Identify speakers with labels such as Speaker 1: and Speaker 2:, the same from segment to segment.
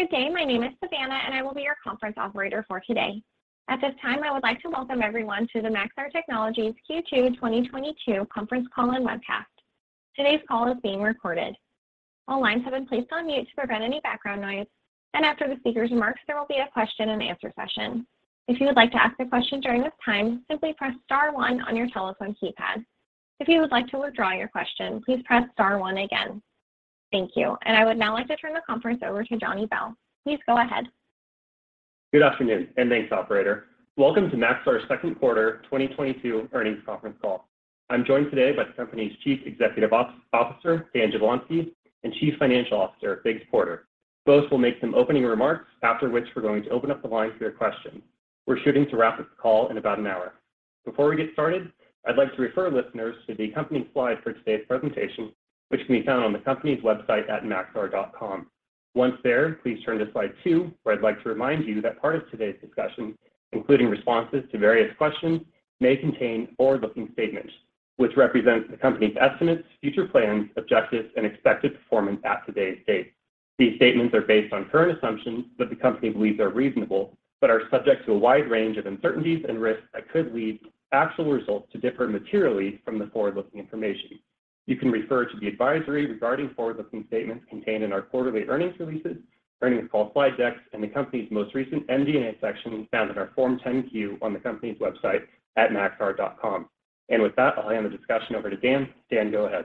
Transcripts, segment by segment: Speaker 1: Good day. My name is Savannah, and I will be your conference operator for today. At this time, I would like to welcome everyone to the Maxar Technologies Q2 2022 conference call and webcast. Today's call is being recorded. All lines have been placed on mute to prevent any background noise, and after the speakers' remarks, there will be a question and answer session. If you would like to ask a question during this time, simply press star one on your telephone keypad. If you would like to withdraw your question, please press star one again. Thank you, and I would now like to turn the conference over to Jonny Bell. Please go ahead.
Speaker 2: Good afternoon, and thanks, operator. Welcome to Maxar's Q2 2022 earnings conference call. I'm joined today by the company's Chief Executive Officer, Dan Jablonsky, and Chief Financial Officer, Biggs Porter. Both will make some opening remarks, after which we're going to open up the line for your questions. We're shooting to wrap up the call in about an hour. Before we get started, I'd like to refer listeners to the accompanying slide for today's presentation, which can be found on the company's website at maxar.com. Once there, please turn to slide two, where I'd like to remind you that part of today's discussion, including responses to various questions, may contain forward-looking statements, which represent the company's estimates, future plans, objectives, and expected performance at today's date. These statements are based on current assumptions that the company believes are reasonable but are subject to a wide range of uncertainties and risks that could lead actual results to differ materially from the forward-looking information. You can refer to the advisory regarding forward-looking statements contained in our quarterly earnings releases, earnings call slide decks, and the company's most recent MD&A section found in our Form 10-Q on the company's website at maxar.com. With that, I'll hand the discussion over to Dan. Dan, go ahead.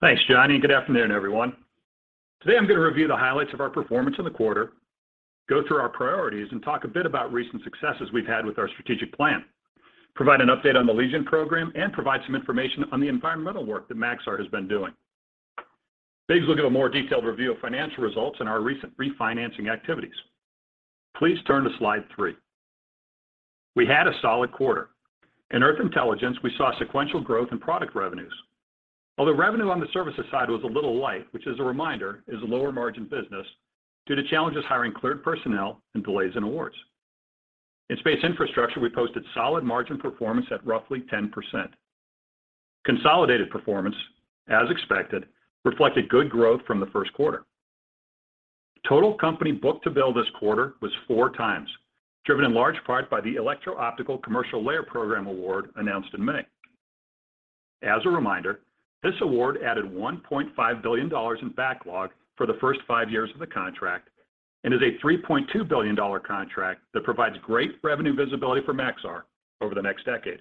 Speaker 3: Thanks, Jonny. Good afternoon, everyone. Today, I'm going to review the highlights of our performance in the quarter, go through our priorities, and talk a bit about recent successes we've had with our strategic plan, provide an update on the Legion program, and provide some information on the environmental work that Maxar has been doing. Biggs Porter will give a more detailed review of financial results and our recent refinancing activities. Please turn to slide three. We had a solid quarter. In Earth Intelligence, we saw sequential growth in product revenues. Although revenue on the services side was a little light, which as a reminder, is a lower margin business due to challenges hiring cleared personnel and delays in awards. In Space Infrastructure, we posted solid margin performance at roughly 10%. Consolidated performance, as expected, reflected good growth from the Q1. Total company book-to-bill this quarter was 4x, driven in large part by the Electro-Optical Commercial Layer program award announced in May. As a reminder, this award added $1.5 billion in backlog for the first five years of the contract and is a $3.2 billion contract that provides great revenue visibility for Maxar over the next decade.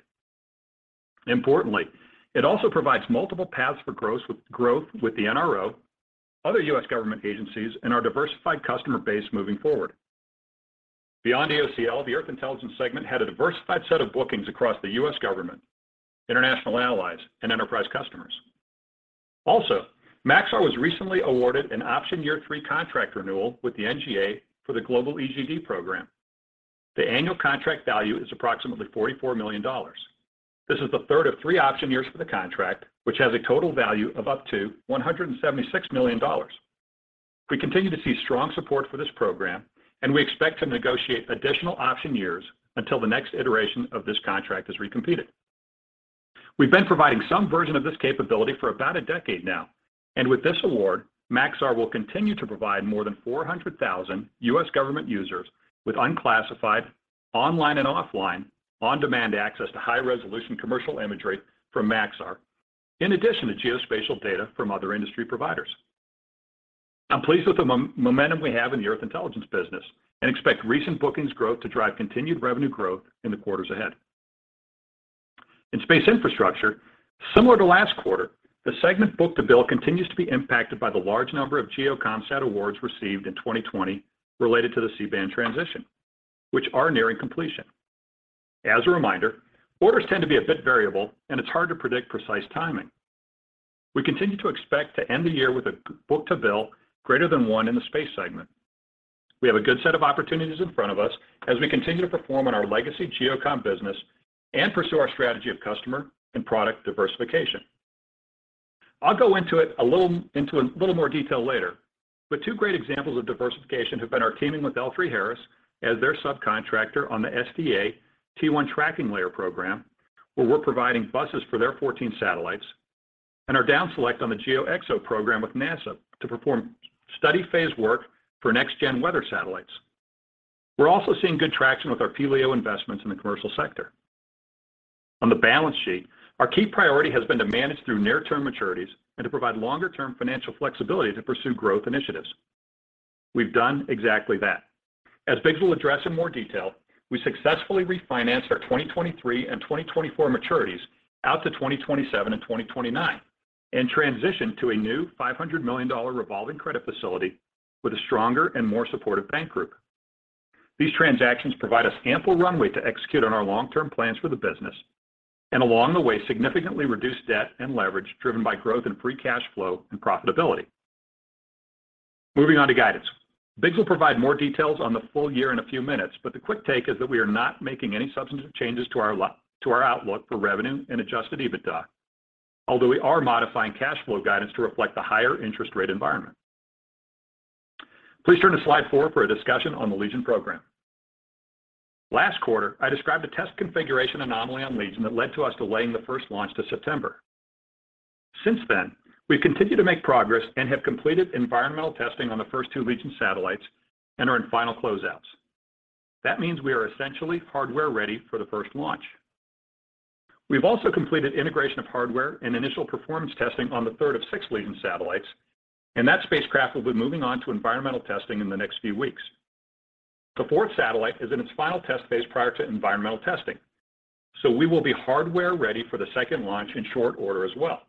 Speaker 3: Importantly, it also provides multiple paths for growth with the NRO, other U.S. government agencies, and our diversified customer base moving forward. Beyond EOCL, the Earth Intelligence segment had a diversified set of bookings across the US government, international allies, and enterprise customers. Also, Maxar was recently awarded an option year three contract renewal with the NGA for the Global EGD program. The annual contract value is approximately $44 million. This is the third of three option years for the contract, which has a total value of up to $176 million. We continue to see strong support for this program, and we expect to negotiate additional option years until the next iteration of this contract is recompeted. We've been providing some version of this capability for about a decade now, and with this award, Maxar will continue to provide more than 400,000 U.S. government users with unclassified online and offline on-demand access to high-resolution commercial imagery from Maxar in addition to geospatial data from other industry providers. I'm pleased with the momentum we have in the Earth Intelligence business and expect recent bookings growth to drive continued revenue growth in the quarters ahead. In Space Infrastructure, similar to last quarter, the segment book-to-bill continues to be impacted by the large number of GEO Comsat awards received in 2020 related to the C-band transition, which are nearing completion. As a reminder, orders tend to be a bit variable, and it's hard to predict precise timing. We continue to expect to end the year with a GEO book-to-bill greater than one in the space segment. We have a good set of opportunities in front of us as we continue to perform on our legacy GEO Com business and pursue our strategy of customer and product diversification. I'll go into it a little more detail later, but two great examples of diversification have been our teaming with L3Harris as their subcontractor on the SDA T1 Tracking Layer program, where we're providing buses for their 14 satellites, and our down select on the GeoXO program with NASA to perform study phase work for next gen weather satellites. We're also seeing good traction with our P-LEO investments in the commercial sector. On the balance sheet, our key priority has been to manage through near-term maturities and to provide longer-term financial flexibility to pursue growth initiatives. We've done exactly that. As Biggs will address in more detail, we successfully refinanced our 2023 and 2024 maturities out to 2027 and 2029 and transitioned to a new $500 million revolving credit facility with a stronger and more supportive bank group. These transactions provide us ample runway to execute on our long-term plans for the business and along the way, significantly reduce debt and leverage driven by growth in free cash flow and profitability. Moving on to guidance. Biggs will provide more details on the full year in a few minutes, but the quick take is that we are not making any substantive changes to our to our outlook for revenue and adjusted EBITDA, although we are modifying cash flow guidance to reflect the higher interest rate environment. Please turn to slide four for a discussion on the Legion program. Last quarter, I described a test configuration anomaly on Legion that led to us delaying the first launch to September. Since then, we've continued to make progress and have completed environmental testing on the first two Legion satellites and are in final closeouts. That means we are essentially hardware ready for the first launch. We've also completed integration of hardware and initial performance testing on the third of six Legion satellites, and that spacecraft will be moving on to environmental testing in the next few weeks. The fourth satellite is in its final test phase prior to environmental testing, so we will be hardware ready for the second launch in short order as well.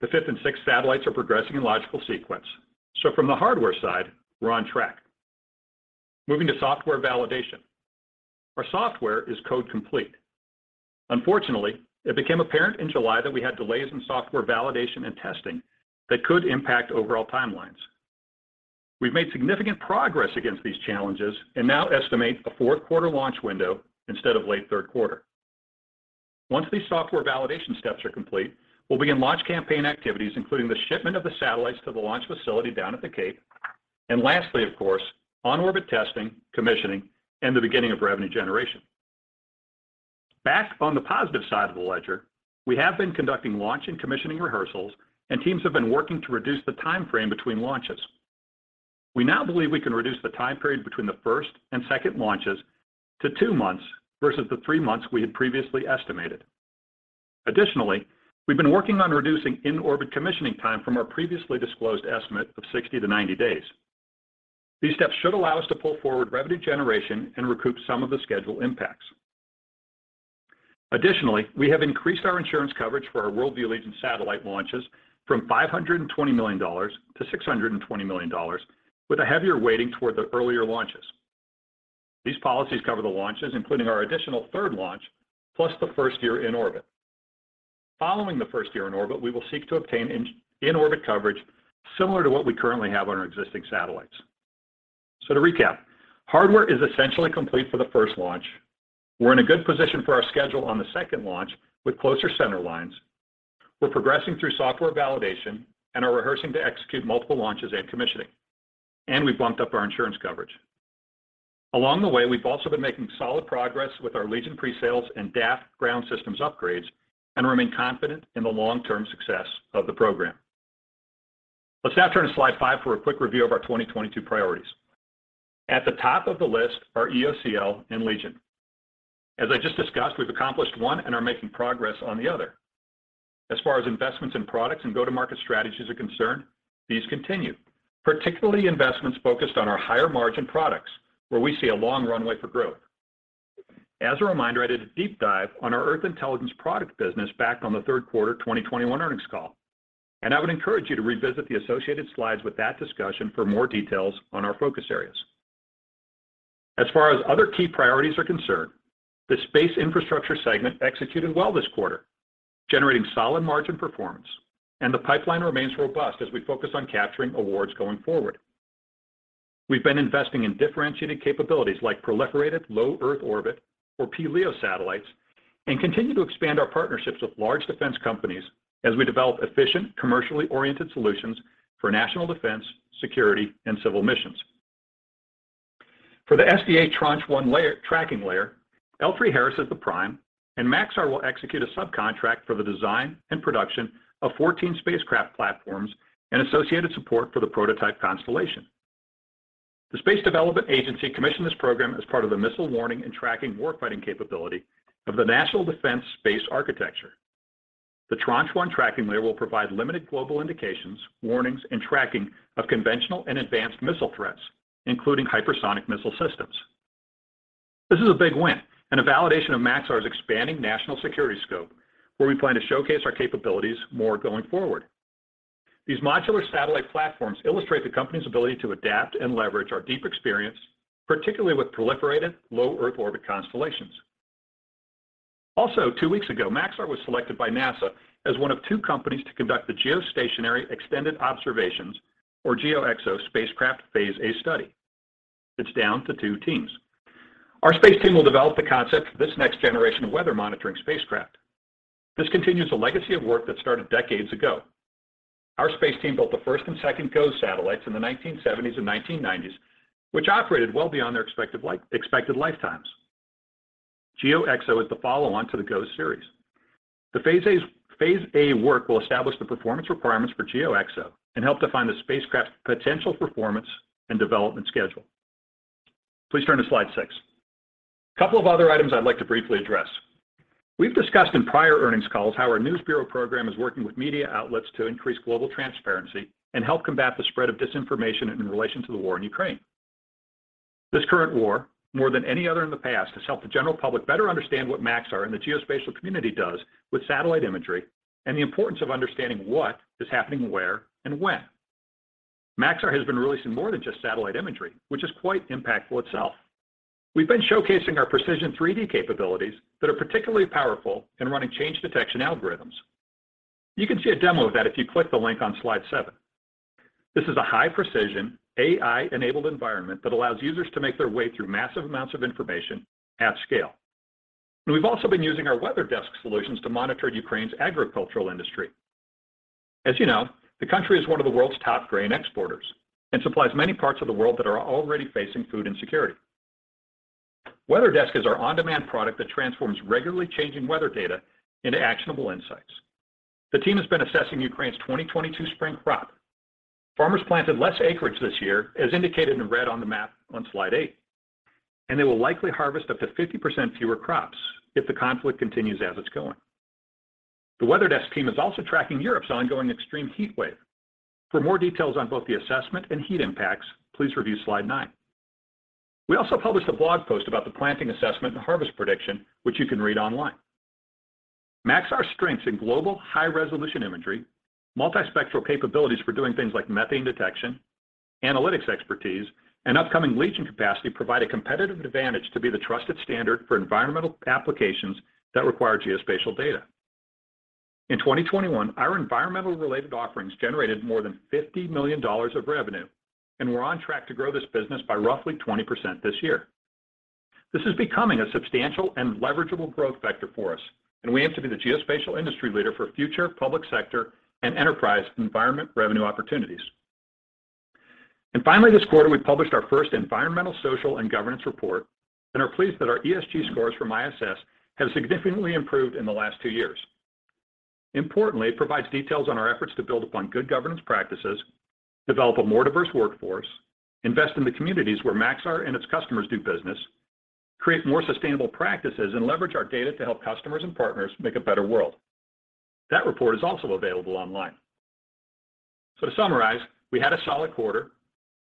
Speaker 3: The fifth and sixth satellites are progressing in logical sequence. From the hardware side, we're on track. Moving to software validation. Our software is code complete. Unfortunately, it became apparent in July that we had delays in software validation and testing that could impact overall timelines. We've made significant progress against these challenges and now estimate a Q4 launch window instead of late Q3. Once these software validation steps are complete, we'll begin launch campaign activities, including the shipment of the satellites to the launch facility down at the Cape. Lastly, of course, on-orbit testing, commissioning, and the beginning of revenue generation. Back on the positive side of the ledger, we have been conducting launch and commissioning rehearsals, and teams have been working to reduce the time frame between launches. We now believe we can reduce the time period between the first and second launches to two months versus the three months we had previously estimated. Additionally, we've been working on reducing in-orbit commissioning time from our previously disclosed estimate of 60-90 days. These steps should allow us to pull forward revenue generation and recoup some of the schedule impacts. Additionally, we have increased our insurance coverage for our WorldView Legion satellite launches from $520 million-$620 million with a heavier weighting toward the earlier launches. These policies cover the launches, including our additional third launch, plus the first year in orbit. Following the first year in orbit, we will seek to obtain in orbit coverage similar to what we currently have on our existing satellites. To recap, hardware is essentially complete for the first launch. We're in a good position for our schedule on the second launch with closer center lines. We're progressing through software validation and are rehearsing to execute multiple launches and commissioning. We've bumped up our insurance coverage. Along the way, we've also been making solid progress with our Legion presales and DAF ground systems upgrades and remain confident in the long-term success of the program. Let's now turn to slide five for a quick review of our 2022 priorities. At the top of the list are EOCL and Legion. As I just discussed, we've accomplished one and are making progress on the other. As far as investments in products and go-to-market strategies are concerned, these continue. Particularly investments focused on our higher-margin products, where we see a long runway for growth. As a reminder, I did a deep dive on our Earth Intelligence product business back on the Q3 2021 earnings call, and I would encourage you to revisit the associated slides with that discussion for more details on our focus areas. As far as other key priorities are concerned, the Space Infrastructure segment executed well this quarter, generating solid margin performance, and the pipeline remains robust as we focus on capturing awards going forward. We've been investing in differentiated capabilities like proliferated low Earth orbit, or P-LEO satellites, and continue to expand our partnerships with large defense companies as we develop efficient, commercially-oriented solutions for national defense, security, and civil missions. For the SDA Tranche 1 Tracking Layer, L3Harris is the prime, and Maxar will execute a subcontract for the design and production of 14 spacecraft platforms and associated support for the prototype constellation. The Space Development Agency commissioned this program as part of the Missile Warning and Tracking warfighting capability of the National Defense Space Architecture. The Tranche 1 Tracking Layer will provide limited global indications, warnings, and tracking of conventional and advanced missile threats, including hypersonic missile systems. This is a big win and a validation of Maxar's expanding national security scope, where we plan to showcase our capabilities more going forward. These modular satellite platforms illustrate the company's ability to adapt and leverage our deep experience, particularly with proliferated low Earth orbit constellations. Also, two weeks ago, Maxar was selected by NASA as one of two companies to conduct the Geostationary Extended Observations, or GeoXO, spacecraft Phase A study. It's down to two teams. Our space team will develop the concept for this next generation of weather-monitoring spacecraft. This continues a legacy of work that started decades ago. Our space team built the first and second GOES satellites in the 1970s and 1990s, which operated well beyond their expected lifetimes. GeoXO is the follow-on to the GOES series. The phase A work will establish the performance requirements for GeoXO and help define the spacecraft's potential performance and development schedule. Please turn to slide six. A couple of other items I'd like to briefly address. We've discussed in prior earnings calls how our News Bureau program is working with media outlets to increase global transparency and help combat the spread of disinformation in relation to the war in Ukraine. This current war, more than any other in the past, has helped the general public better understand what Maxar and the geospatial community does with satellite imagery and the importance of understanding what is happening where and when. Maxar has been releasing more than just satellite imagery, which is quite impactful itself. We've been showcasing our precision 3D capabilities that are particularly powerful in running change detection algorithms. You can see a demo of that if you click the link on slide seven. This is a high-precision, AI-enabled environment that allows users to make their way through massive amounts of information at scale. We've also been using our WeatherDesk solutions to monitor Ukraine's agricultural industry. As you know, the country is one of the world's top grain exporters and supplies many parts of the world that are already facing food insecurity. WeatherDesk is our on-demand product that transforms regularly changing weather data into actionable insights. The team has been assessing Ukraine's 2022 spring crop. Farmers planted less acreage this year, as indicated in red on the map on slide eight, and they will likely harvest up to 50% fewer crops if the conflict continues as it's going. The WeatherDesk team is also tracking Europe's ongoing extreme heat wave. For more details on both the assessment and heat impacts, please review slide nine. We also published a blog post about the planting assessment and harvest prediction, which you can read online. Maxar's strengths in global high-resolution imagery, multispectral capabilities for doing things like methane detection, analytics expertise, and upcoming Legion capacity provide a competitive advantage to be the trusted standard for environmental applications that require geospatial data. In 2021, our environmental-related offerings generated more than $50 million of revenue, and we're on track to grow this business by roughly 20% this year. This is becoming a substantial and leverageable growth vector for us, and we aim to be the geospatial industry leader for future public sector and enterprise environment revenue opportunities. Finally, this quarter, we published our first environmental, social, and governance report and are pleased that our ESG scores from ISS have significantly improved in the last two years. Importantly, it provides details on our efforts to build upon good governance practices, develop a more diverse workforce, invest in the communities where Maxar and its customers do business, create more sustainable practices, and leverage our data to help customers and partners make a better world. That report is also available online. To summarize, we had a solid quarter.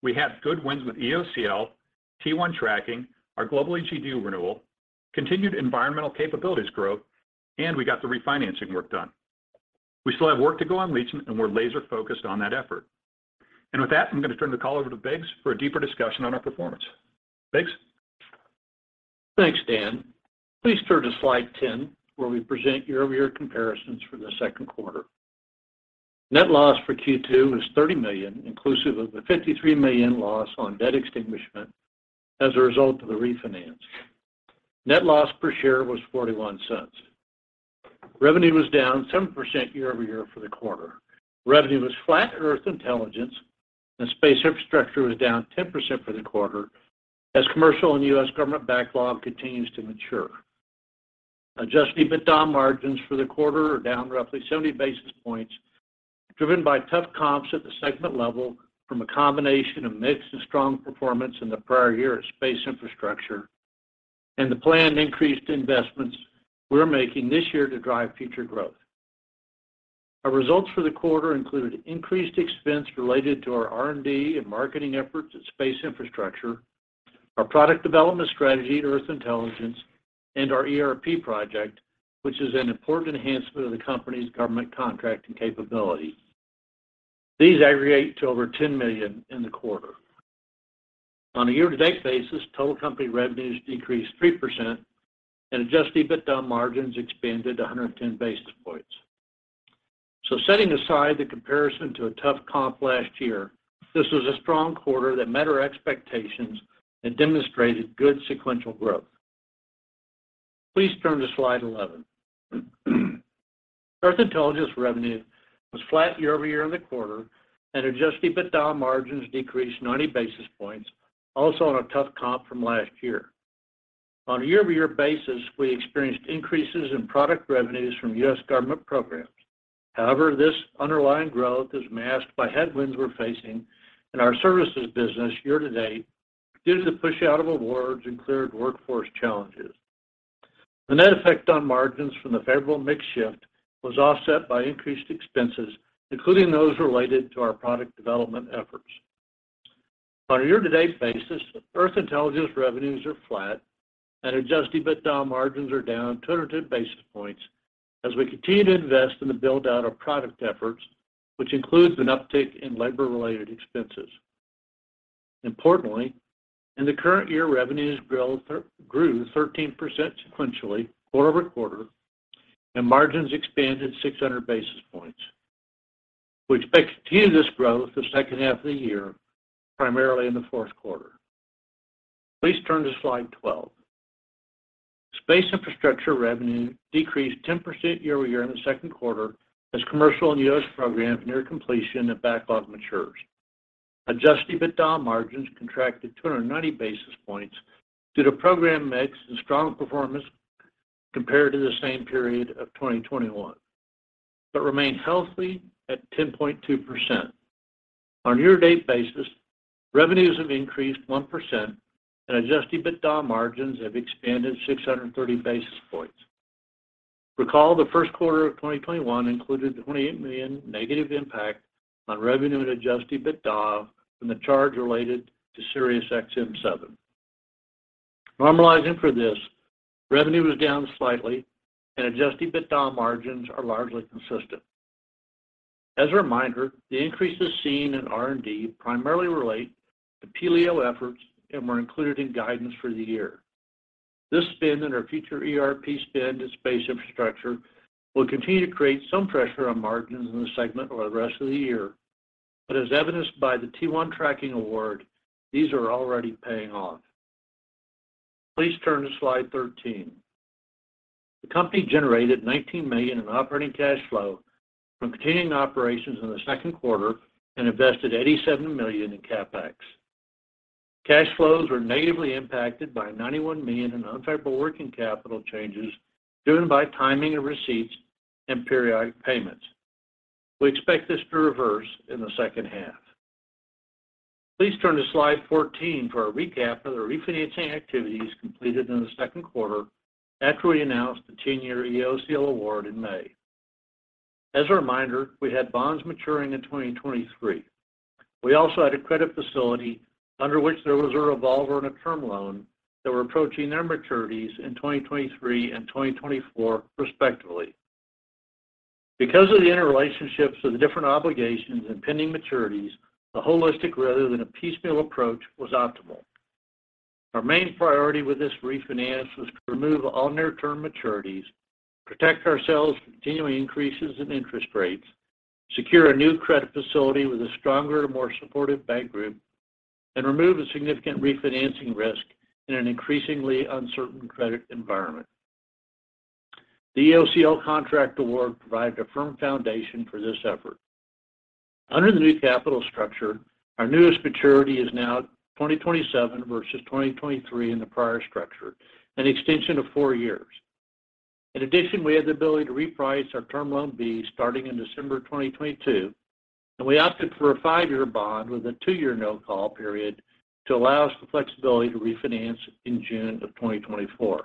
Speaker 3: We had good wins with EOCL, T1 Tracking, our global EGD renewal, continued environmental capabilities growth, and we got the refinancing work done. We still have work to go on leverage, and we're laser-focused on that effort. With that, I'm going to turn the call over to Biggs for a deeper discussion on our performance. Biggs?
Speaker 4: Thanks, Dan. Please turn to slide 10, where we present year-over-year comparisons for the Q2. Net loss for Q2 was $30 million, inclusive of the $53 million loss on debt extinguishment as a result of the refinance. Net loss per share was $0.41. Revenue was down 7% year-over-year for the quarter. Revenue was flat at Earth Intelligence, and Space Infrastructure was down 10% for the quarter as commercial and U.S. government backlog continues to mature. Adjusted EBITDA margins for the quarter are down roughly 70 basis points, driven by tough comps at the segment level from a combination of mix and strong performance in the prior year at Space Infrastructure and the planned increased investments we're making this year to drive future growth. Our results for the quarter included increased expense related to our R&D and marketing efforts at Space Infrastructure, our product development strategy at Earth Intelligence, and our ERP project, which is an important enhancement of the company's government contracting capability. These aggregate to over $10 million in the quarter. On a year-to-date basis, total company revenues decreased 3%, and adjusted EBITDA margins expanded 110 basis points. Setting aside the comparison to a tough comp last year, this was a strong quarter that met our expectations and demonstrated good sequential growth. Please turn to slide 11. Earth Intelligence revenue was flat year-over-year in the quarter, and adjusted EBITDA margins decreased 90 basis points, also on a tough comp from last year. On a year-over-year basis, we experienced increases in product revenues from US government programs. However, this underlying growth is masked by headwinds we're facing in our services business year to date due to the push out of awards and cleared workforce challenges. The net effect on margins from the favorable mix shift was offset by increased expenses, including those related to our product development efforts. On a year-to-date basis, Earth Intelligence revenues are flat, and adjusted EBITDA margins are down 210 basis points as we continue to invest in the build-out of product efforts, which includes an uptick in labor-related expenses. Importantly, in the current year, revenues grew 13% sequentially quarter over quarter, and margins expanded 600 basis points. We expect to continue this growth the second half of the year, primarily in the fourth quarter. Please turn to slide 12. Space Infrastructure revenue decreased 10% year-over-year in the Q2 as commercial and US programs near completion and backlog matures. Adjusted EBITDA margins contracted 290 basis points due to program mix and strong performance compared to the same period of 2021, but remained healthy at 10.2%. On a year-to-date basis, revenues have increased 1%, and adjusted EBITDA margins have expanded 630 basis points. Recall the Q1 of 2021 included a $28 million negative impact on revenue and adjusted EBITDA from the charge related to SXM-7. Normalizing for this, revenue was down slightly, and adjusted EBITDA margins are largely consistent. As a reminder, the increases seen in R&D primarily relate to P-LEO efforts and were included in guidance for the year. This spend and our future ERP spend in Space Infrastructure will continue to create some pressure on margins in the segment over the rest of the year. As evidenced by the T1 Tracking award, these are already paying off. Please turn to slide 13. The company generated $19 million in operating cash flow from continuing operations in the Q2 and invested $87 million in CapEx. Cash flows were negatively impacted by $91 million in unfavorable working capital changes driven by timing of receipts and periodic payments. We expect this to reverse in the second half. Please turn to slide 14 for a recap of the refinancing activities completed in the Q2 after we announced the 10-year EOCL award in May. As a reminder, we had bonds maturing in 2023. We also had a credit facility under which there was a revolver and a term loan that were approaching their maturities in 2023 and 2024 respectively. Because of the interrelationships of the different obligations and pending maturities, a holistic rather than a piecemeal approach was optimal. Our main priority with this refinance was to remove all near-term maturities, protect ourselves from continuing increases in interest rates, secure a new credit facility with a stronger and more supportive bank group, and remove a significant refinancing risk in an increasingly uncertain credit environment. The EOCL contract award provided a firm foundation for this effort. Under the new capital structure, our newest maturity is now 2027 versus 2023 in the prior structure, an extension of four years. In addition, we have the ability to reprice our Term Loan B starting in December 2022, and we opted for a 5-year bond with a two year no-call period to allow us the flexibility to refinance in June 2024.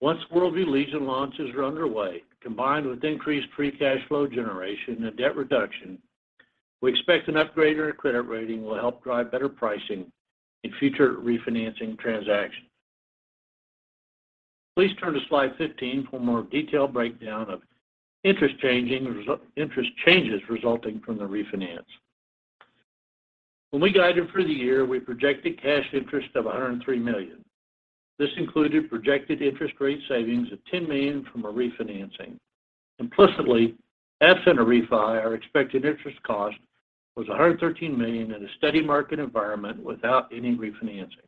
Speaker 4: Once WorldView Legion and launches are underway, combined with increased free cash flow generation and debt reduction, we expect an upgrade in our credit rating will help drive better pricing in future refinancing transactions. Please turn to slide 15 for more detailed breakdown of interest changes resulting from the refinance. When we guided for the year, we projected cash interest of $103 million. This included projected interest rate savings of $10 million from a refinancing. Implicitly, absent a refi, our expected interest cost was $113 million in a steady market environment without any refinancing.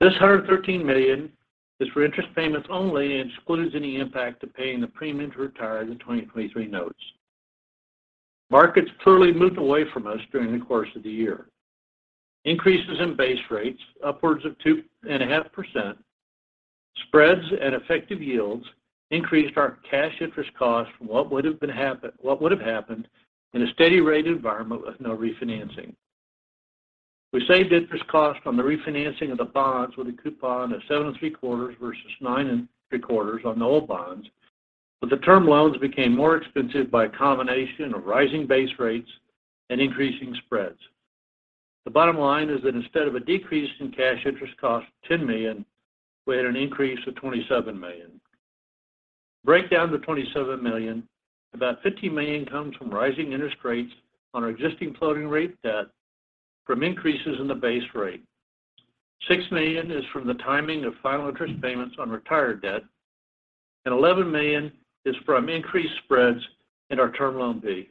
Speaker 4: This $113 million is for interest payments only and excludes any impact of paying the premium to retire the 2023 notes. Markets clearly moved away from us during the course of the year. Increases in base rates upwards of 2.5%, spreads and effective yields increased our cash interest costs from what would have happened in a steady rate environment with no refinancing. We saved interest costs on the refinancing of the bonds with a coupon of 7.75% versus 9.75% on the old bonds, but the term loans became more expensive by a combination of rising base rates and increasing spreads. The bottom line is that instead of a decrease in cash interest cost of $10 million, we had an increase of $27 million. To break down the $27 million, about $15 million comes from rising interest rates on our existing floating rate debt from increases in the base rate. $6 million is from the timing of final interest payments on retired debt, and $11 million is from increased spreads in our Term Loan B.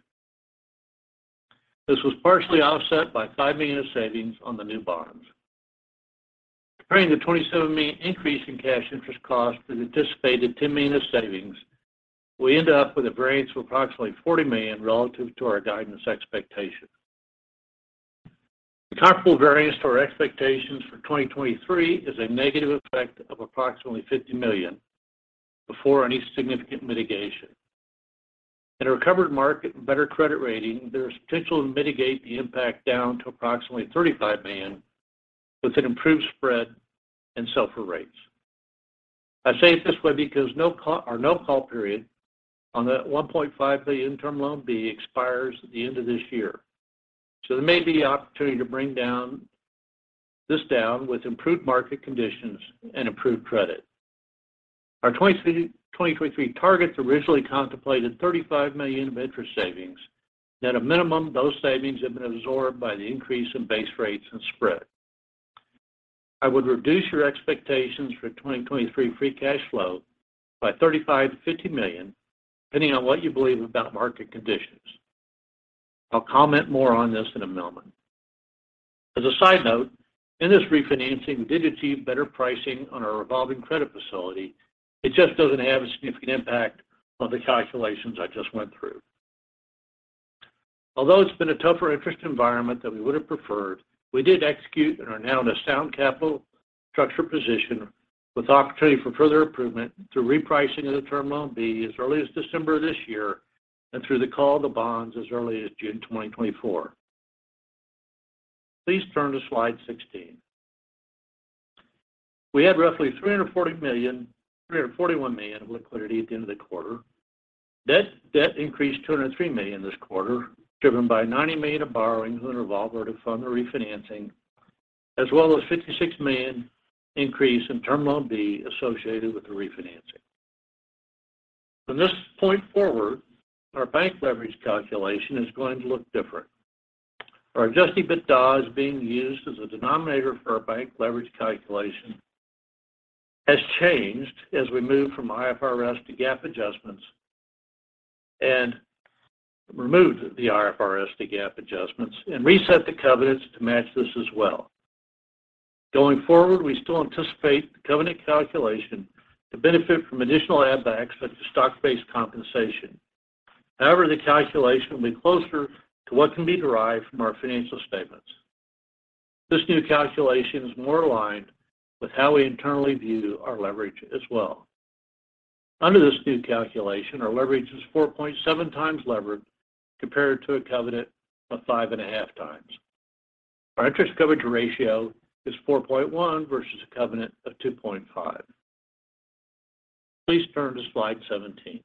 Speaker 4: This was partially offset by $5 million of savings on the new bonds. Comparing the $27 million increase in cash interest cost to the anticipated $10 million of savings, we end up with a variance of approximately $40 million relative to our guidance expectations. The comparable variance to our expectations for 2023 is a negative effect of approximately $50 million before any significant mitigation. In a recovered market and better credit rating, there's potential to mitigate the impact down to approximately $35 million with an improved spread and SOFR rates. I say it this way because our no-call period on the $1.5 billion Term Loan B expires at the end of this year. There may be an opportunity to bring this down with improved market conditions and improved credit. Our 2023 targets originally contemplated $35 million of interest savings. At a minimum, those savings have been absorbed by the increase in base rates and spread. I would reduce your expectations for 2023 free cash flow by $35 million-$50 million, depending on what you believe about market conditions. I'll comment more on this in a moment. As a side note, in this refinancing, we did achieve better pricing on our revolving credit facility. It just doesn't have a significant impact on the calculations I just went through. Although it's been a tougher interest environment than we would have preferred, we did execute and are now in a sound capital structure position with opportunity for further improvement through repricing of the Term Loan B as early as December of this year and through the call of the bonds as early as June 2024. Please turn to slide 16. We had roughly $341 million of liquidity at the end of the quarter. Debt increased $203 million this quarter, driven by $90 million of borrowings on the revolver to fund the refinancing, as well as $56 million increase in Term Loan B associated with the refinancing. From this point forward, our bank leverage calculation is going to look different. Our adjusted EBITDA is being used as a denominator for our bank leverage calculation has changed as we move from IFRS to GAAP adjustments and removed the IFRS to GAAP adjustments and reset the covenants to match this as well. Going forward, we still anticipate the covenant calculation to benefit from additional add backs such as stock-based compensation. However, the calculation will be closer to what can be derived from our financial statements. This new calculation is more aligned with how we internally view our leverage as well. Under this new calculation, our leverage is 4.7x levered compared to a covenant of 5.5x. Our interest coverage ratio is 4.1 versus a covenant of 2.5. Please turn to slide 17.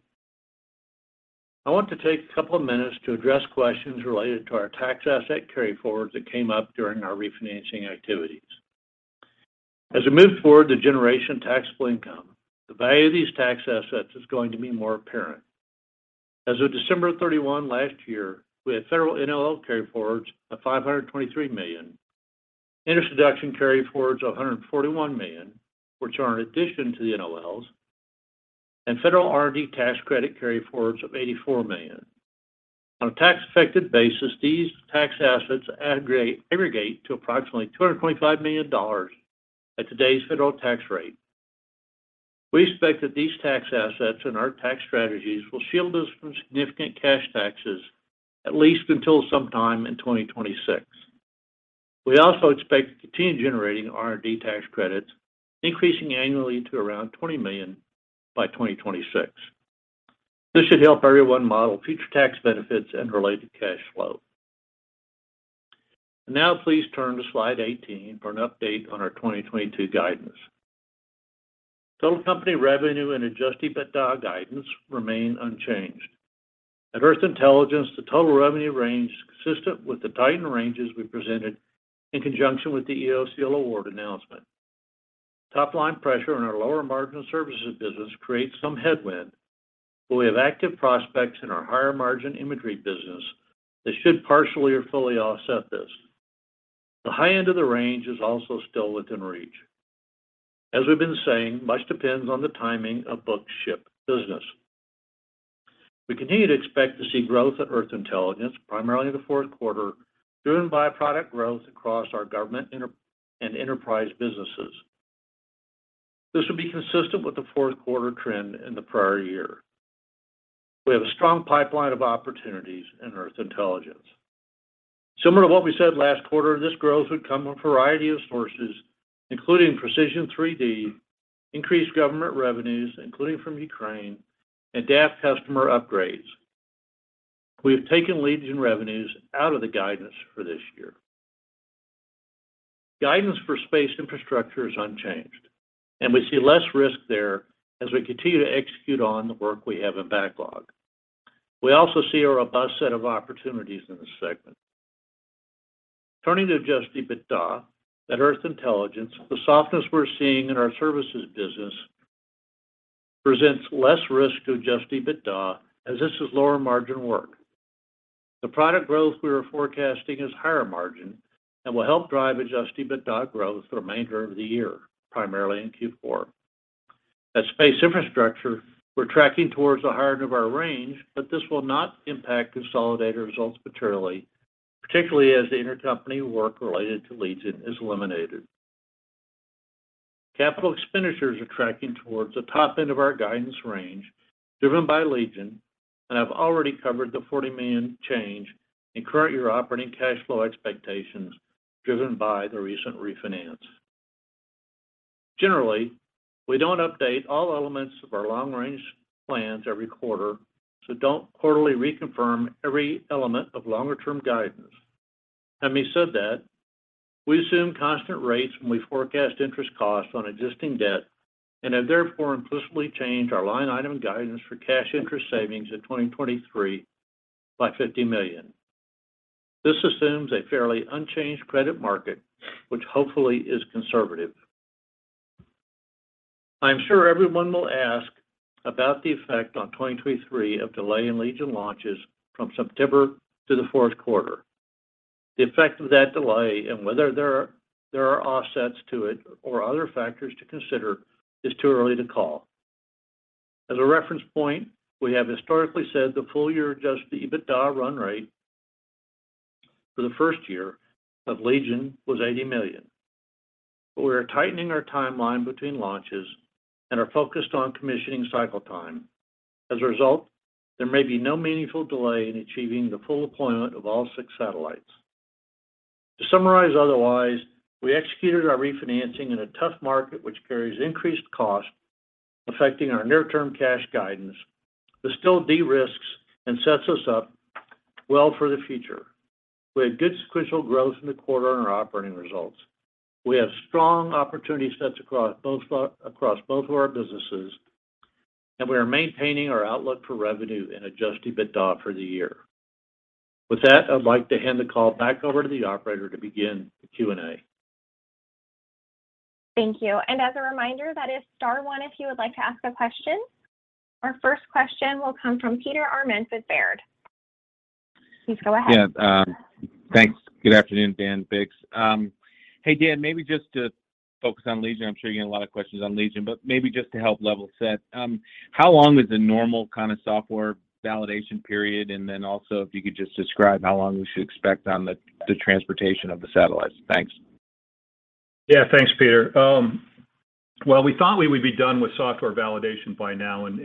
Speaker 4: I want to take a couple of minutes to address questions related to our tax asset carryforwards that came up during our refinancing activities. As we move forward to generating taxable income, the value of these tax assets is going to be more apparent. As of December 31 last year, we had federal NOL carryforwards of $523 million, interest deduction carryforwards of $141 million, which are in addition to the NOLs, and federal R&D tax credit carryforwards of $84 million. On a tax-affected basis, these tax assets aggregate to approximately $225 million at today's federal tax rate. We expect that these tax assets and our tax strategies will shield us from significant cash taxes at least until sometime in 2026. We also expect to continue generating R&D tax credits, increasing annually to around $20 million by 2026. This should help everyone model future tax benefits and related cash flow. Now please turn to slide 18 for an update on our 2022 guidance. Total company revenue and adjusted EBITDA guidance remain unchanged. At Earth Intelligence, the total revenue range is consistent with the tightened ranges we presented in conjunction with the EOCL award announcement. Top-line pressure in our lower-margin services business creates some headwind, but we have active prospects in our higher-margin imagery business that should partially or fully offset this. The high end of the range is also still within reach. As we've been saying, much depends on the timing of booked ship business. We continue to expect to see growth at Earth Intelligence, primarily in the fourth quarter, driven by product growth across our government and enterprise businesses. This would be consistent with the Q4 trend in the prior year. We have a strong pipeline of opportunities in Earth Intelligence. Similar to what we said last quarter, this growth would come from a variety of sources, including precision 3D, increased government revenues, including from Ukraine, and DAF customer upgrades. We have taken Legion revenues out of the guidance for this year. Guidance for Space Infrastructure is unchanged, and we see less risk there as we continue to execute on the work we have in backlog. We also see a robust set of opportunities in this segment. Turning to adjusted EBITDA at Earth Intelligence, the softness we're seeing in our services business presents less risk to adjusted EBITDA as this is lower-margin work. The product growth we are forecasting is higher margin and will help drive adjusted EBITDA growth for the remainder of the year, primarily in Q4. At Space Infrastructure, we're tracking towards the higher end of our range, but this will not impact consolidated results materially, particularly as the intercompany work related to Legion is eliminated. Capital expenditures are tracking towards the top end of our guidance range driven by Legion, and I've already covered the $40 million change in current-year operating cash flow expectations driven by the recent refinance. Generally, we don't update all elements of our long-range plans every quarter, so don't quarterly reconfirm every element of longer-term guidance. Having said that, we assume constant rates when we forecast interest costs on existing debt and have therefore implicitly changed our line item guidance for cash interest savings in 2023 by $50 million. This assumes a fairly unchanged credit market, which hopefully is conservative. I'm sure everyone will ask about the effect on 2023 of delay in Legion launches from September to the Q4. The effect of that delay and whether there are offsets to it or other factors to consider is too early to call. As a reference point, we have historically said the full-year adjusted EBITDA run rate for the first year of Legion was $80 million. We are tightening our timeline between launches and are focused on commissioning cycle time. As a result, there may be no meaningful delay in achieving the full deployment of all six satellites. To summarize otherwise, we executed our refinancing in a tough market which carries increased cost, affecting our near-term cash guidance. This still de-risks and sets us up well for the future. We had good sequential growth in the quarter on our operating results. We have strong opportunity sets across both of our businesses, and we are maintaining our outlook for revenue and adjusted EBITDA for the year. With that, I'd like to hand the call back over to the operator to begin the Q&A.
Speaker 1: Thank you. As a reminder, that is star one if you would like to ask a question. Our first question will come from Peter Arment of Baird. Please go ahead.
Speaker 5: Yeah, thanks. Good afternoon, Dan, Biggs. Hey, Dan, maybe just to focus on Legion. I'm sure you're getting a lot of questions on Legion, but maybe just to help level set. How long is the normal kind of software validation period? And then also, if you could just describe how long we should expect on the transportation of the satellites. Thanks.
Speaker 3: Yeah. Thanks, Peter. Well, we thought we would be done with software validation by now and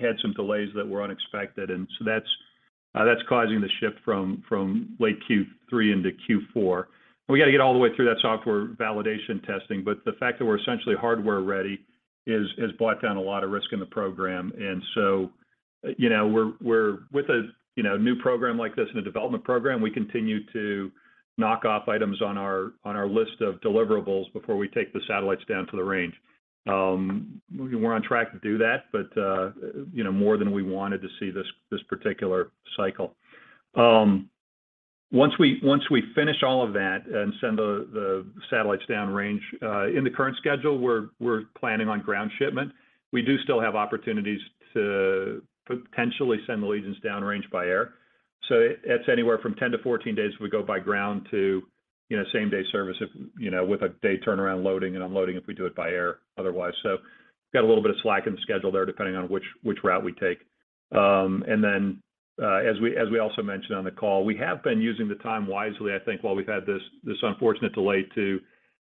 Speaker 3: had some delays that were unexpected. That's causing the shift from late Q3 into Q4. We gotta get all the way through that software validation testing, but the fact that we're essentially hardware ready has bought down a lot of risk in the program. You know, we're with a you know new program like this and a development program, we continue to knock off items on our list of deliverables before we take the satellites down to the range. We're on track to do that, but you know, more than we wanted to see this particular cycle. Once we finish all of that and send the satellites downrange, in the current schedule, we're planning on ground shipment. We do still have opportunities to potentially send the Legions downrange by air. It's anywhere from 10-14 days we go by ground to, you know, same-day service if, you know, with a day turnaround loading and unloading if we do it by air otherwise. Got a little bit of slack in the schedule there depending on which route we take. As we also mentioned on the call, we have been using the time wisely, I think, while we've had this unfortunate delay to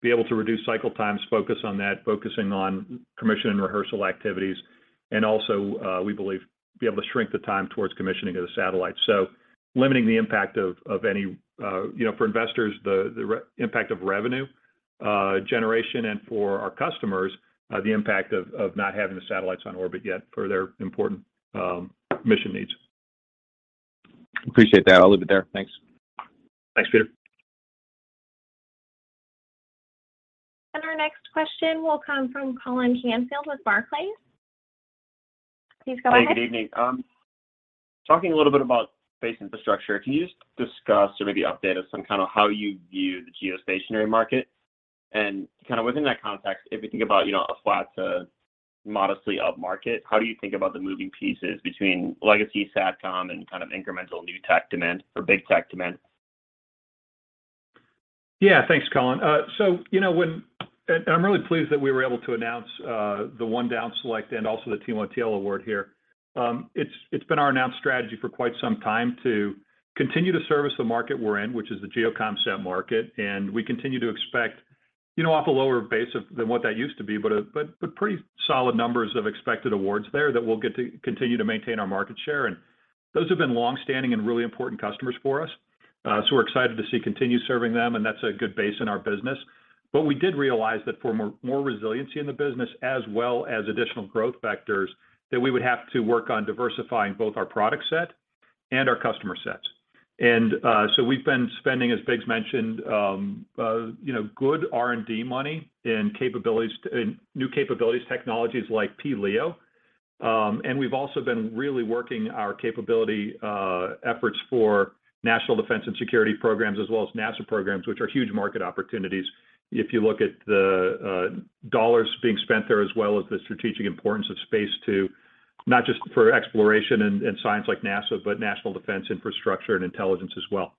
Speaker 3: be able to reduce cycle times, focus on that, focusing on commissioning and rehearsal activities, and also we believe be able to shrink the time towards commissioning of the satellites. Limiting the impact of any, you know, for investors, the impact of revenue generation and for our customers, the impact of not having the satellites on orbit yet for their important mission needs.
Speaker 5: Appreciate that. I'll leave it there. Thanks.
Speaker 3: Thanks, Peter.
Speaker 1: Our next question will come from Colin Canfield with Barclays. Please go ahead.
Speaker 6: Hey, good evening. Talking a little bit about Space Infrastructure, can you just discuss or maybe update us on kind of how you view the geostationary market? Kind of within that context, if you think about, you know, a flat to modestly up market, how do you think about the moving pieces between legacy Satcom and kind of incremental new tech demand or big tech demand?
Speaker 3: Yeah. Thanks, Colin. So you know, I'm really pleased that we were able to announce the one down select and also the T1TL award here. It's been our announced strategy for quite some time to continue to service the market we're in, which is the GEO Comsat market, and we continue to expect, you know, off a lower base than what that used to be, but pretty solid numbers of expected awards there that we'll get to continue to maintain our market share. Those have been long-standing and really important customers for us. So we're excited to see continue serving them, and that's a good base in our business. We did realize that for more resiliency in the business as well as additional growth vectors, that we would have to work on diversifying both our product set and our customer sets. So we've been spending, as Biggs mentioned, you know, good R&D money in capabilities, in new capabilities, technologies like P-LEO. We've also been really working our capability efforts for national defense and security programs as well as NASA programs, which are huge market opportunities if you look at the dollars being spent there, as well as the strategic importance of space to not just for exploration and science like NASA, but national defense infrastructure and intelligence as well.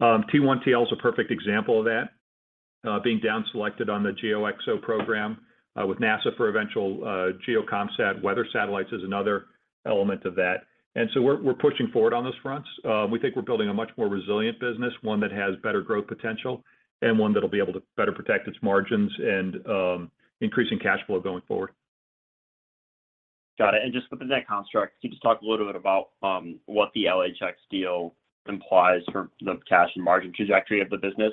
Speaker 3: T1TL is a perfect example of that, being down selected on the GeoXO program with NASA for eventual GEO Comsat weather satellites is another element of that. We're pushing forward on those fronts. We think we're building a much more resilient business, one that has better growth potential and one that'll be able to better protect its margins and increasing cash flow going forward.
Speaker 6: Got it. Just within that construct, can you just talk a little bit about what the LHX deal implies for the cash and margin trajectory of the business?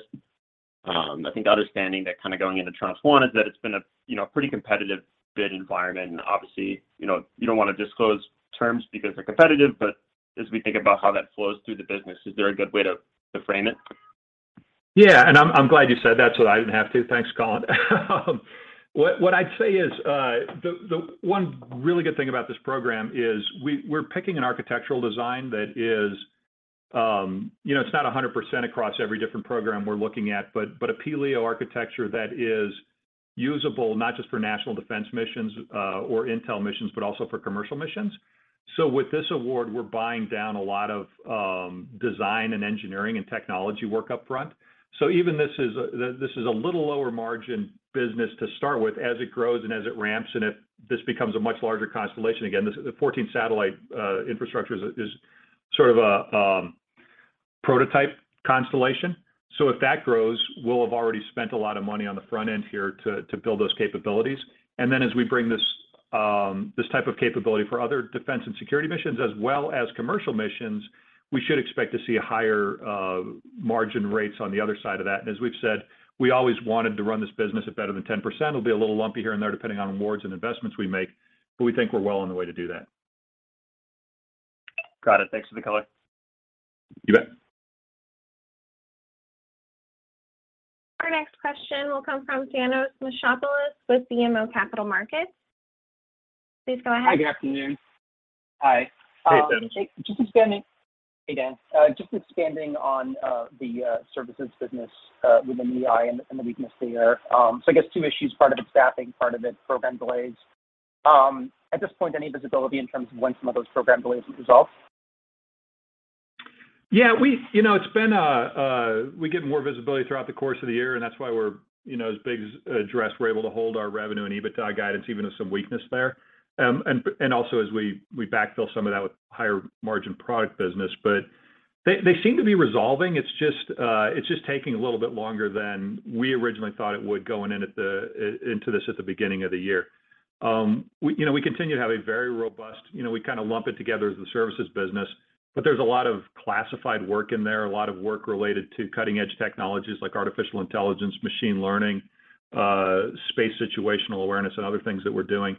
Speaker 6: I think understanding that kinda going into Tranche 1 is that it's been a, you know, pretty competitive bid environment. Obviously, you know, you don't wanna disclose terms because they're competitive, but as we think about how that flows through the business, is there a good way to frame it?
Speaker 3: Yeah. I'm glad you said that so I didn't have to. Thanks, Colin. What I'd say is the one really good thing about this program is we're picking an architectural design that is, you know, it's not 100% across every different program we're looking at, but a P-LEO architecture that is usable not just for national defense missions or intel missions, but also for commercial missions. With this award, we're buying down a lot of design and engineering and technology work up front. Even this is a little lower margin business to start with, as it grows and as it ramps and this becomes a much larger constellation. Again, this 14-satellite infrastructure is sort of a prototype constellation. If that grows, we'll have already spent a lot of money on the front end here to build those capabilities. As we bring this type of capability for other defense and security missions as well as commercial missions, we should expect to see higher margin rates on the other side of that. As we've said, we always wanted to run this business at better than 10%. It'll be a little lumpy here and there depending on awards and investments we make, but we think we're well on the way to do that.
Speaker 6: Got it. Thanks for the color.
Speaker 3: You bet.
Speaker 1: Our next question will come from Thanos Moschopoulos with BMO Capital Markets. Please go ahead.
Speaker 7: Hi, good afternoon. Hi.
Speaker 3: Hey, Thanos.
Speaker 7: Hey, Dan. Just expanding on the services business within EI and the weakness there. I guess two issues, part of it staffing, part of it program delays. At this point, any visibility in terms of when some of those program delays will resolve?
Speaker 3: Yeah. You know, it's been. We get more visibility throughout the course of the year, and that's why we're, you know, as Biggs addressed, we're able to hold our revenue and EBITDA guidance even with some weakness there. And also as we backfill some of that with higher margin product business. They seem to be resolving. It's just taking a little bit longer than we originally thought it would going into this at the beginning of the year. We continue to have a very robust. You know, we kind of lump it together as the services business, but there's a lot of classified work in there, a lot of work related to cutting-edge technologies like artificial intelligence, machine learning, space situational awareness, and other things that we're doing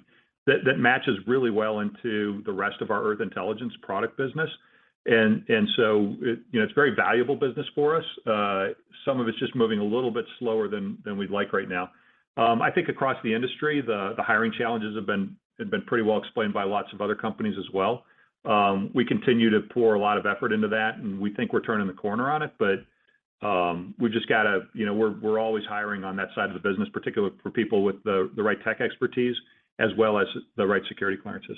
Speaker 3: that matches really well into the rest of our Earth Intelligence product business. So it, you know, it's very valuable business for us. Some of it's just moving a little bit slower than we'd like right now. I think across the industry, the hiring challenges have been pretty well explained by lots of other companies as well. We continue to pour a lot of effort into that, and we think we're turning the corner on it. We've just got to. You know, we're always hiring on that side of the business, particularly for people with the right tech expertise as well as the right security clearances.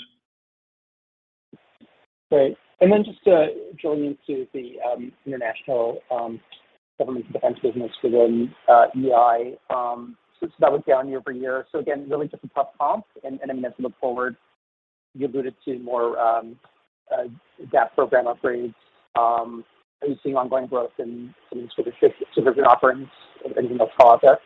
Speaker 7: Great. Just to drill into the international government defense business within EI. That was down year-over-year. Again, really just a tough comp. I mean, as we look forward, you alluded to more DAF program upgrades. Are you seeing ongoing growth in some of these sort of synergistic offerings? Anything else to call out there?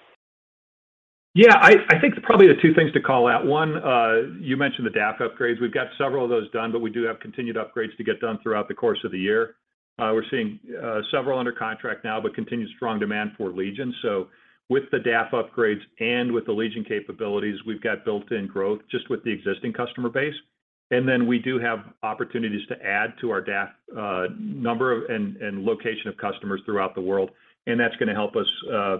Speaker 3: Yeah. I think probably the two things to call out. One, you mentioned the DAF upgrades. We've got several of those done, but we do have continued upgrades to get done throughout the course of the year. We're seeing several under contract now, but continued strong demand for Legion. With the DAF upgrades and with the Legion capabilities, we've got built-in growth just with the existing customer base. Then we do have opportunities to add to our DAF number of and location of customers throughout the world, and that's gonna help us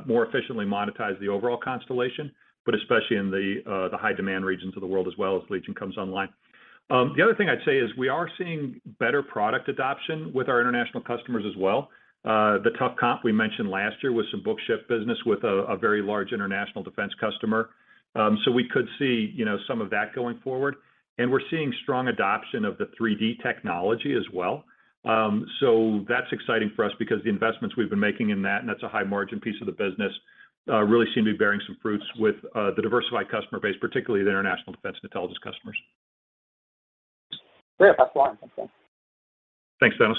Speaker 3: more efficiently monetize the overall constellation, but especially in the high demand regions of the world as well as Legion comes online. The other thing I'd say is we are seeing better product adoption with our international customers as well. The tough comp we mentioned last year was some book ship business with a very large international defense customer. We could see, you know, some of that going forward. We're seeing strong adoption of the 3D technology as well. That's exciting for us because the investments we've been making in that, and that's a high margin piece of the business, really seem to be bearing some fruits with the diversified customer base, particularly the international defense intelligence customers.
Speaker 7: Great. That's all I have, thanks Dan.
Speaker 3: Thanks, Thanos.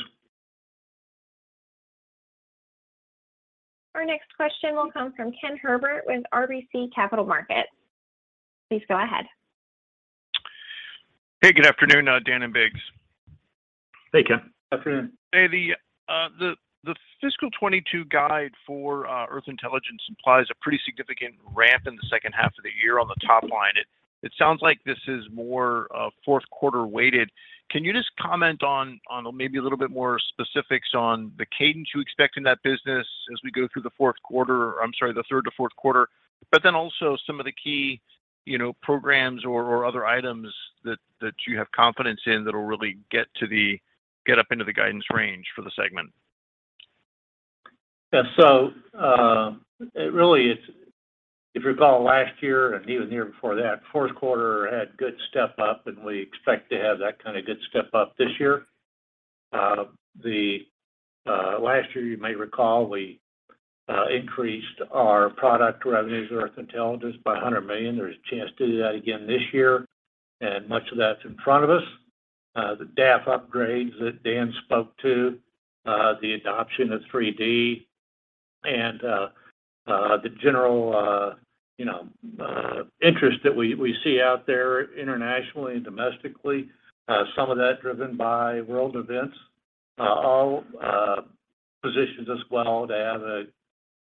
Speaker 1: Our next question will come from Ken Herbert with RBC Capital Markets. Please go ahead.
Speaker 8: Hey, good afternoon, Dan and Biggs.
Speaker 3: Hey, Ken.
Speaker 4: Afternoon.
Speaker 8: Hey. The fiscal 2022 guide for Earth Intelligence implies a pretty significant ramp in the second half of the year on the top line. It sounds like this is more Q4 weighted. Can you just comment on maybe a little bit more specifics on the cadence you expect in that business as we go through the Q4, or I'm sorry, the third to Q4, but then also some of the key, you know, programs or other items that you have confidence in that'll really get up into the guidance range for the segment?
Speaker 4: Really, if you recall last year and even the year before that, Q4 had good step-up, and we expect to have that kind of good step-up this year. Last year, you may recall we increased our product revenues Earth Intelligence by $100 million. There's a chance to do that again this year, and much of that's in front of us. The DAF upgrades that Dan spoke to, the adoption of 3D and the general, you know, interest that we see out there internationally and domestically, some of that driven by world events, all positions us well to have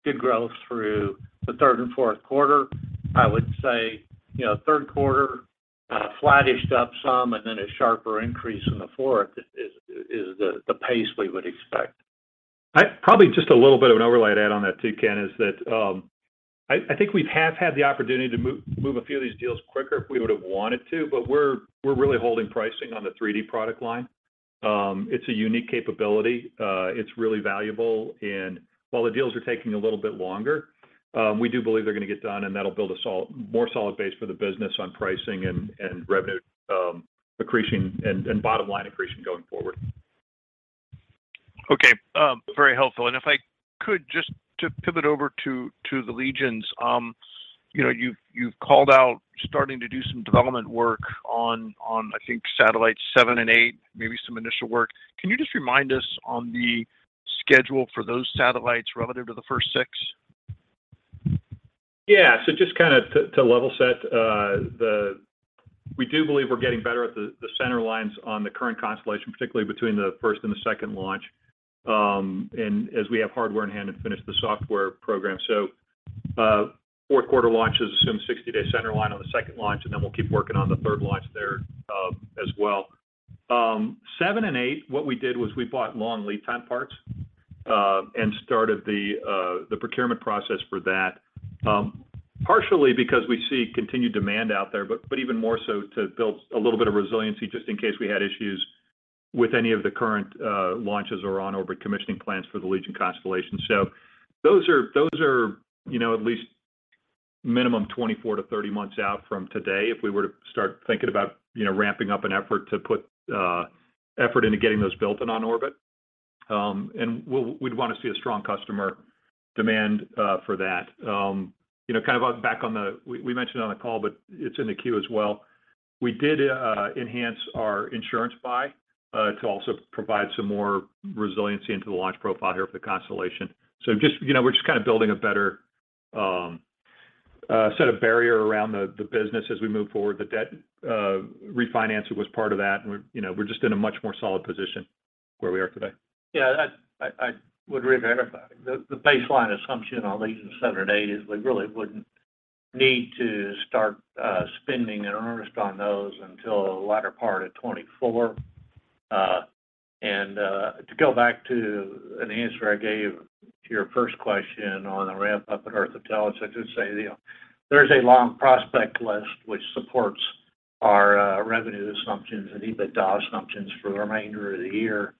Speaker 4: good growth through the Q3 and Q4. I would say, you know, Q3, flattish up some and then a sharper increase in the Q4 is the pace we would expect.
Speaker 3: Probably just a little bit of an overlay to add on that too, Ken, is that I think we have had the opportunity to move a few of these deals quicker if we would have wanted to, but we're really holding pricing on the 3D product line. It's a unique capability. It's really valuable. While the deals are taking a little bit longer, we do believe they're gonna get done, and that'll build a more solid base for the business on pricing and revenue increasing and bottom line increase going forward.
Speaker 8: Okay. Very helpful. If I could just to pivot over to the Legion. You know, you've called out starting to do some development work on I think satellites seven and eight, maybe some initial work. Can you just remind us on the schedule for those satellites relative to the first six?
Speaker 3: Yeah. Just kind of to level set, we do believe we're getting better at the center lines on the current constellation, particularly between the first and the second launch, and as we have hardware in hand and finish the software program. Q4 launch is assumed 60-day center line on the second launch, and then we'll keep working on the third launch there, as well. Seven and eight, what we did was we bought long lead time parts, and started the procurement process for that, partially because we see continued demand out there, but even more so to build a little bit of resiliency just in case we had issues with any of the current launches or on-orbit commissioning plans for the Legion constellation. Those are, you know, at least minimum 24-30 months out from today if we were to start thinking about, you know, ramping up an effort to put effort into getting those built and on orbit. We'd want to see a strong customer demand for that. You know, kind of back on then we mentioned it on the call, but it's in the queue as well. We did enhance our insurance buy to also provide some more resiliency into the launch profile here for the constellation. You know, we're just kind of building a better set of barriers around the business as we move forward. The debt refinancing was part of that, and we're you know just in a much more solid position where we are today.
Speaker 4: Yeah, that I would re-verify. The baseline assumption on Legion seven and eight is we really wouldn't need to start spending in earnest on those until the latter part of 2024. To go back to an answer I gave to your first question on the ramp-up at Earth Intelligence, I'd just say, you know, there's a long prospect list which supports our revenue assumptions and EBITDA assumptions for the remainder of the year.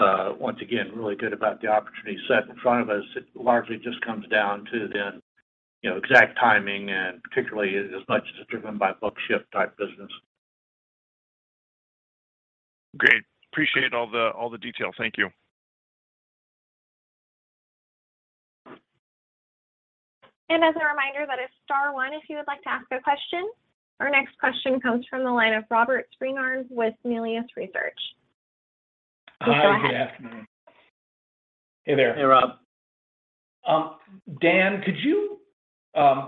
Speaker 4: We feel once again, really good about the opportunity set in front of us. It largely just comes down to then, you know, exact timing and particularly as much as it's driven by book ship type business.
Speaker 8: Great. Appreciate all the detail. Thank you.
Speaker 1: As a reminder, that is star one if you would like to ask a question. Our next question comes from the line of Robert Spingarn with Melius Research. Go ahead.
Speaker 9: Hi. Good afternoon.
Speaker 3: Hey there.
Speaker 4: Hey, Rob.
Speaker 9: Dan, could you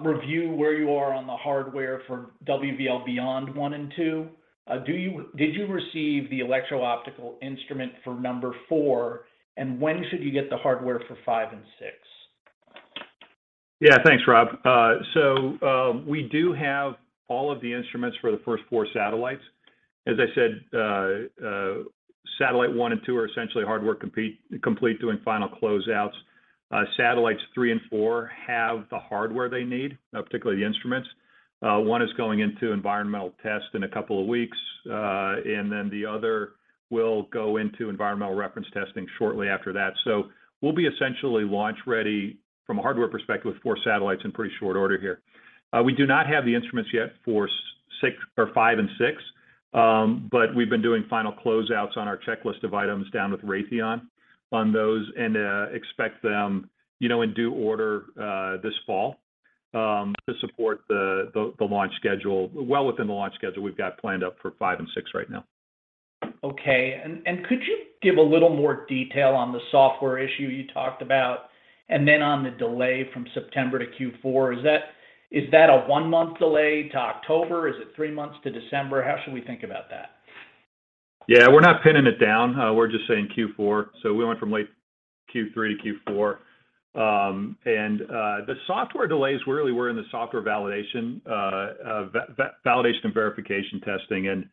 Speaker 9: review where you are on the hardware for WVL beyond one and two? Did you receive the electro-optical instrument for number four, and when should you get the hardware for five and six?
Speaker 3: Yeah, thanks, Rob. We do have all of the instruments for the first four satellites. As I said, satellite one and two are essentially hardware complete, doing final closeouts. Satellites three and four have the hardware they need, particularly the instruments. One is going into environmental test in a couple of weeks, and then the other will go into environmental reference testing shortly after that. We'll be essentially launch-ready from a hardware perspective with four satellites in pretty short order here. We do not have the instruments yet for five and six, but we've been doing final closeouts on our checklist of items down with Raytheon on those and expect them, you know, in due order this fall to support the launch schedule, well within the launch schedule we've got planned up for five and six right now.
Speaker 9: Okay. Could you give a little more detail on the software issue you talked about and then on the delay from September to Q4? Is that a one-month delay to October? Is it three months to December? How should we think about that?
Speaker 3: Yeah, we're not pinning it down. We're just saying Q4. We went from late Q3-Q4. The software delays really were in the software validation and verification testing.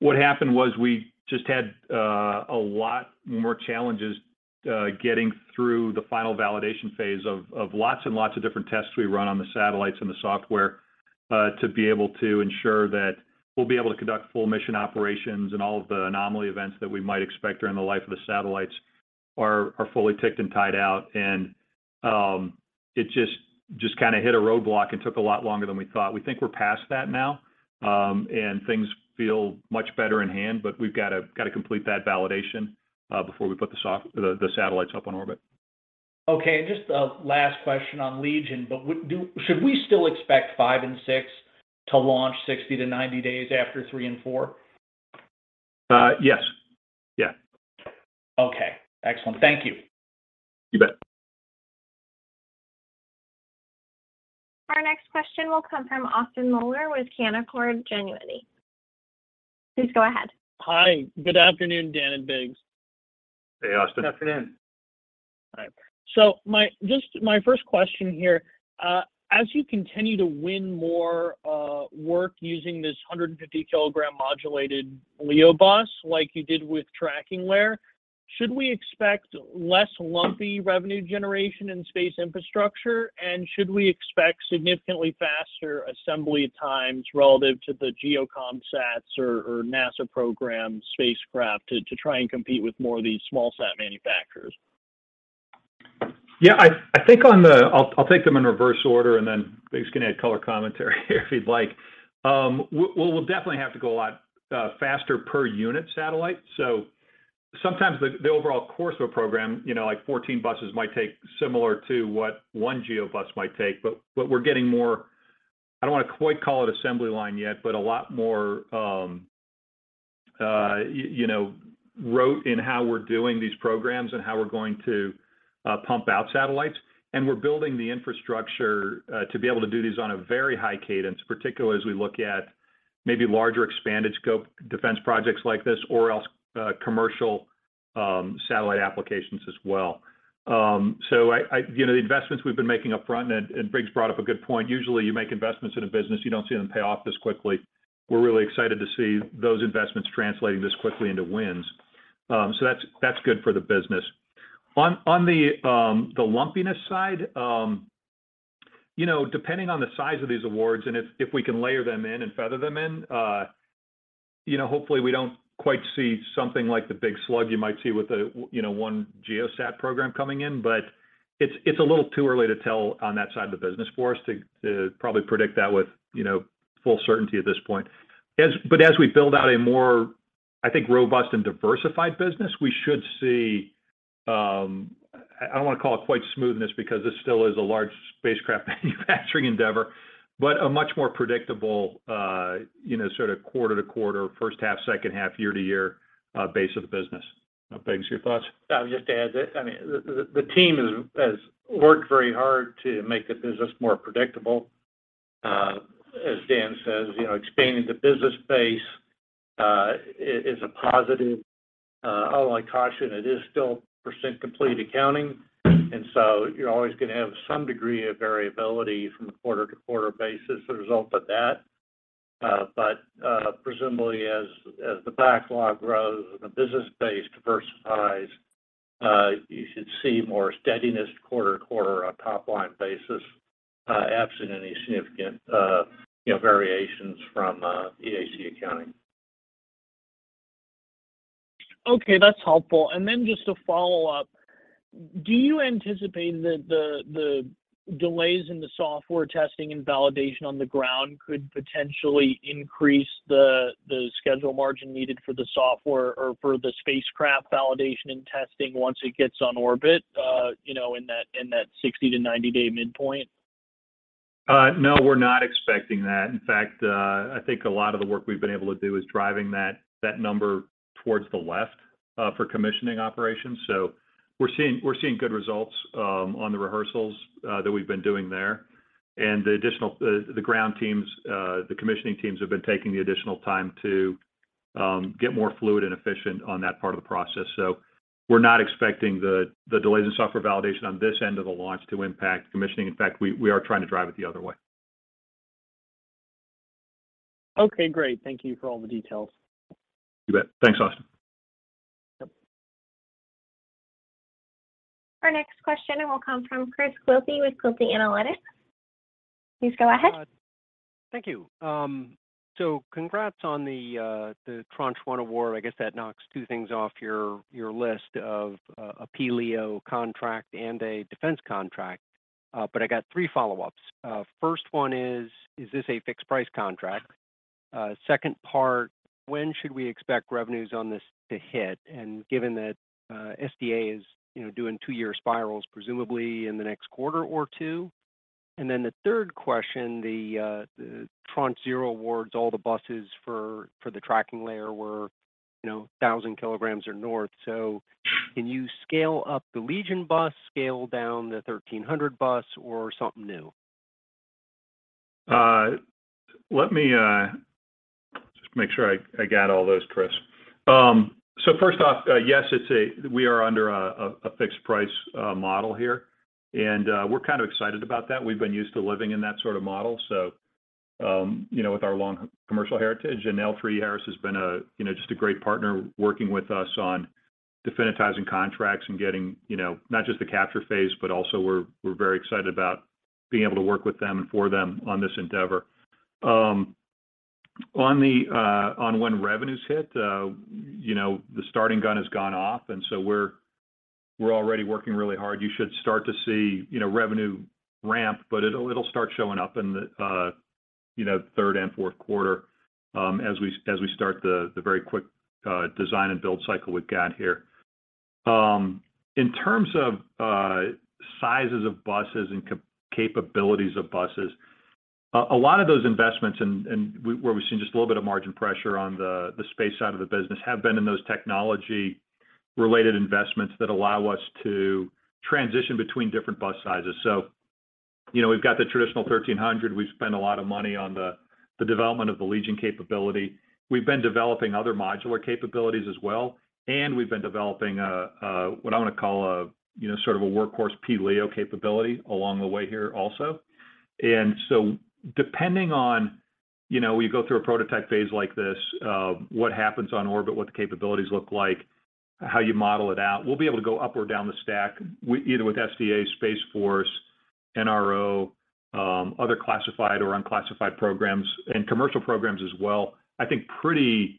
Speaker 3: What happened was we just had a lot more challenges getting through the final validation phase of lots and lots of different tests we run on the satellites and the software to be able to ensure that we'll be able to conduct full mission operations and all of the anomaly events that we might expect during the life of the satellites are fully ticked and tied out. It just kind of hit a roadblock and took a lot longer than we thought. We think we're past that now, and things feel much better in hand, but we've got to complete that validation before we put the satellites up on orbit.
Speaker 9: Okay, just a last question on Legion, but should we still expect five and six to launch 60-90 days after three and four?
Speaker 3: Yes. Yeah.
Speaker 9: Okay. Excellent. Thank you.
Speaker 3: You bet.
Speaker 1: Our next question will come from Austin Moeller with Canaccord Genuity. Please go ahead.
Speaker 10: Hi. Good afternoon, Dan and Biggs.
Speaker 3: Hey, Austin.
Speaker 4: Afternoon.
Speaker 10: All right. Just my first question here. As you continue to win more work using this 150-kilogram modular LEO bus like you did with Tranche 1, should we expect less lumpy revenue generation in Space Infrastructure, and should we expect significantly faster assembly times relative to the GEO Comsats or NASA program spacecraft to try and compete with more of these small sat manufacturers?
Speaker 3: I think, I'll take them in reverse order, and then Biggs can add color commentary if he'd like. We'll definitely have to go a lot faster per unit satellite. Sometimes the overall course of a program, you know, like 14 buses might take similar to what one GEO bus might take. But what we're getting more, I don't want to quite call it assembly line yet, but a lot more, you know, rote in how we're doing these programs and how we're going to pump out satellites. We're building the infrastructure to be able to do these on a very high cadence, particularly as we look at maybe larger expanded scope defense projects like this or else commercial satellite applications as well. I you know, the investments we've been making up front, and Biggs brought up a good point. Usually, you make investments in a business, you don't see them pay off this quickly. We're really excited to see those investments translating this quickly into wins. That's good for the business. On the lumpiness side, you know, depending on the size of these awards and if we can layer them in and feather them in, you know, hopefully we don't quite see something like the big slug you might see with you know, one Geo Sat program coming in. It's a little too early to tell on that side of the business for us to probably predict that with you know, full certainty at this point. As we build out a more, I think, robust and diversified business, we should see, I don't wanna call it quite smoothness because this still is a large spacecraft manufacturing endeavor, but a much more predictable, you know, sort of quarter to quarter, first half, second half, year to year, base of the business. Now, Biggs Porter, your thoughts?
Speaker 4: I'll just add that, I mean, the team has worked very hard to make the business more predictable. As Dan says, you know, expanding the business base is a positive. Although I caution it is still percent complete accounting, and so you're always gonna have some degree of variability from a quarter-to-quarter basis as a result of that. Presumably as the backlog grows and the business base diversifies, you should see more steadiness quarter to quarter on a top-line basis, absent any significant, you know, variations from EAC accounting.
Speaker 10: Okay, that's helpful. Just a follow-up. Do you anticipate that the delays in the software testing and validation on the ground could potentially increase the schedule margin needed for the software or for the spacecraft validation and testing once it gets on orbit, you know, in that 60-90-day midpoint?
Speaker 3: No, we're not expecting that. In fact, I think a lot of the work we've been able to do is driving that number towards the left for commissioning operations. We're seeing good results on the rehearsals that we've been doing there. The additional ground teams, the commissioning teams have been taking the additional time to get more fluid and efficient on that part of the process. We're not expecting the delays in software validation on this end of the launch to impact commissioning. In fact, we are trying to drive it the other way.
Speaker 10: Okay, great. Thank you for all the details.
Speaker 3: You bet. Thanks, Austin.
Speaker 10: Yep.
Speaker 1: Our next question will come from Chris Quilty with Quilty Analytics. Please go ahead.
Speaker 11: Thank you. So congrats on the Tranche one award. I guess that knocks two things off your list of a P-LEO contract and a defense contract. I got three follow-ups. First one is this a fixed price contract? Second part, when should we expect revenues on this to hit? And given that SDA is, you know, doing two year spirals, presumably in the next quarter or two. The third question, the Tranche zero awards, all the buses for the tracking layer were, you know, 1,000 kilograms or more. So can you scale up the Legion bus, scale down the 1300 bus, or something new?
Speaker 3: Let me just make sure I got all those, Chris. So first off, yes, we are under a fixed price model here, and we're kind of excited about that. We've been used to living in that sort of model, so you know, with our long commercial heritage. L3Harris has been a you know, just a great partner working with us on definitizing contracts and getting you know, not just the capture phase, but also we're very excited about being able to work with them and for them on this endeavor. On when revenues hit you know, the starting gun has gone off, and so we're already working really hard. You should start to see, you know, revenue ramp, but it'll start showing up in the, you know, Q3 and Q4, as we start the very quick design and build cycle we've got here. In terms of sizes of buses and capabilities of buses, a lot of those investments and where we've seen just a little bit of margin pressure on the space side of the business have been in those technology-related investments that allow us to transition between different bus sizes. You know, we've got the traditional 1300. We've spent a lot of money on the development of the Legion capability. We've been developing other modular capabilities as well, and we've been developing a what I'm gonna call a, you know, sort of a workhorse P-LEO capability along the way here also. Depending on, you know, we go through a prototype phase like this, what happens on orbit, what the capabilities look like, how you model it out. We'll be able to go up or down the stack either with SDA, Space Force, NRO, other classified or unclassified programs, and commercial programs as well, I think pretty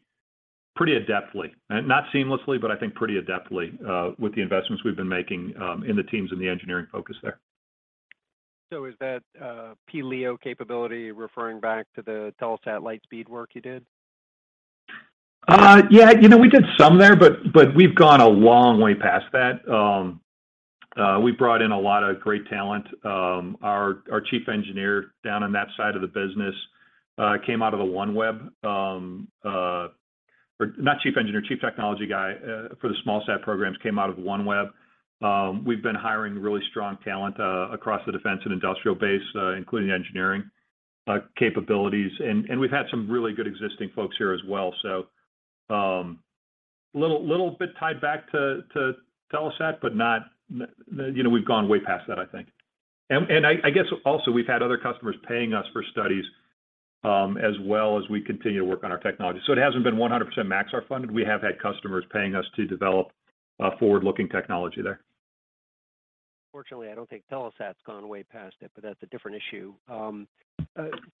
Speaker 3: adeptly. Not seamlessly, but I think pretty adeptly, with the investments we've been making, in the teams and the engineering focus there.
Speaker 11: Is that P-LEO capability referring back to the Telesat Lightspeed work you did?
Speaker 3: Yeah. You know, we did some there, but we've gone a long way past that. We brought in a lot of great talent. Our chief engineer down on that side of the business came out of OneWeb. Or not chief engineer, chief technology guy for the small sat programs came out of OneWeb. We've been hiring really strong talent across the defense and industrial base, including engineering capabilities. We've had some really good existing folks here as well. Little bit tied back to Telesat, but not. You know, we've gone way past that, I think. I guess also we've had other customers paying us for studies, as well as we continue to work on our technology. It hasn't been 100% Maxar funded. We have had customers paying us to develop forward-looking technology there.
Speaker 11: Fortunately, I don't think Telesat's gone way past it, but that's a different issue.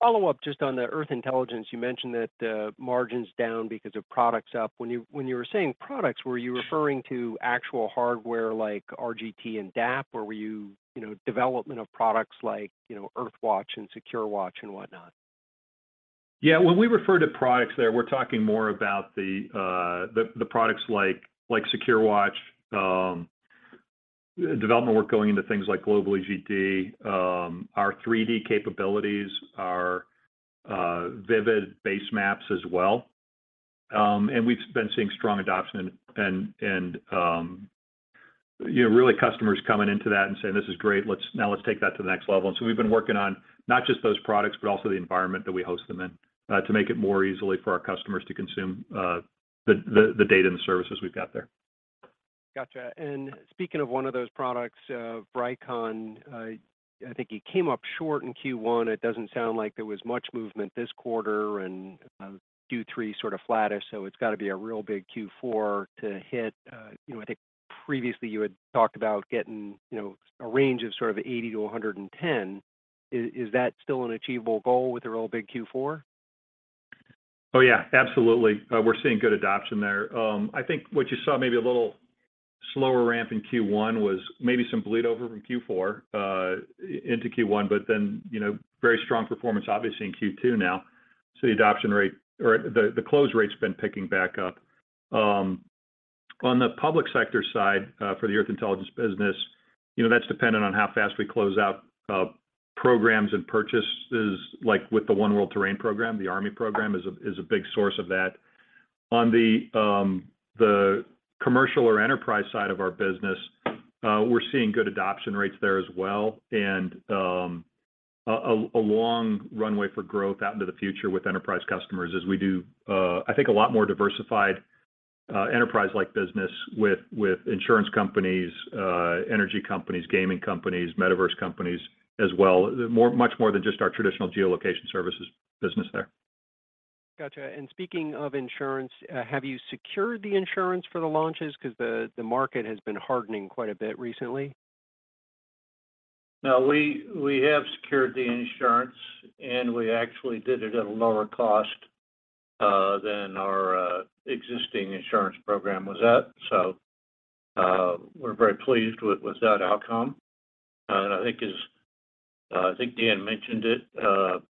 Speaker 11: Follow-up just on the Earth Intelligence. You mentioned that the margin's down because of products up. When you were saying products, were you referring to actual hardware like RGT and DAP? Or were you know, development of products like, you know, EarthWatch and SecureWatch and whatnot?
Speaker 3: Yeah. When we refer to products there, we're talking more about the products like SecureWatch, development work going into things like Global EGD, our 3D capabilities, our Vivid basemaps as well. We've been seeing strong adoption and, you know, really customers coming into that and saying, "This is great. Let's take that to the next level." We've been working on not just those products, but also the environment that we host them in, to make it more easily for our customers to consume the data and the services we've got there.
Speaker 11: Gotcha. Speaking of one of those products, Vricon, I think you came up short in Q1. It doesn't sound like there was much movement this quarter, and Q3 sort of flattish, so it's got to be a real big Q4 to hit. You know, I think previously you had talked about getting, you know, a range of sort of 80-110. Is that still an achievable goal with a real big Q4?
Speaker 3: Oh, yeah. Absolutely. We're seeing good adoption there. I think what you saw maybe a little slower ramp in Q1 was maybe some bleed over from Q4 into Q1, but then, you know, very strong performance obviously in Q2 now. So the adoption rate, or the close rate's been picking back up. On the public sector side, for the Earth Intelligence business, you know, that's dependent on how fast we close out programs and purchases, like with the One World Terrain program. The Army program is a big source of that. On the commercial or enterprise side of our business, we're seeing good adoption rates there as well, and a long runway for growth out into the future with enterprise customers as we do, I think, a lot more diversified, enterprise-like business with insurance companies, energy companies, gaming companies, metaverse companies as well, much more than just our traditional geolocation services business there.
Speaker 11: Gotcha. Speaking of insurance, have you secured the insurance for the launches? Because the market has been hardening quite a bit recently.
Speaker 4: No, we have secured the insurance, and we actually did it at a lower cost than our existing insurance program was at. We're very pleased with that outcome. I think Dan mentioned it,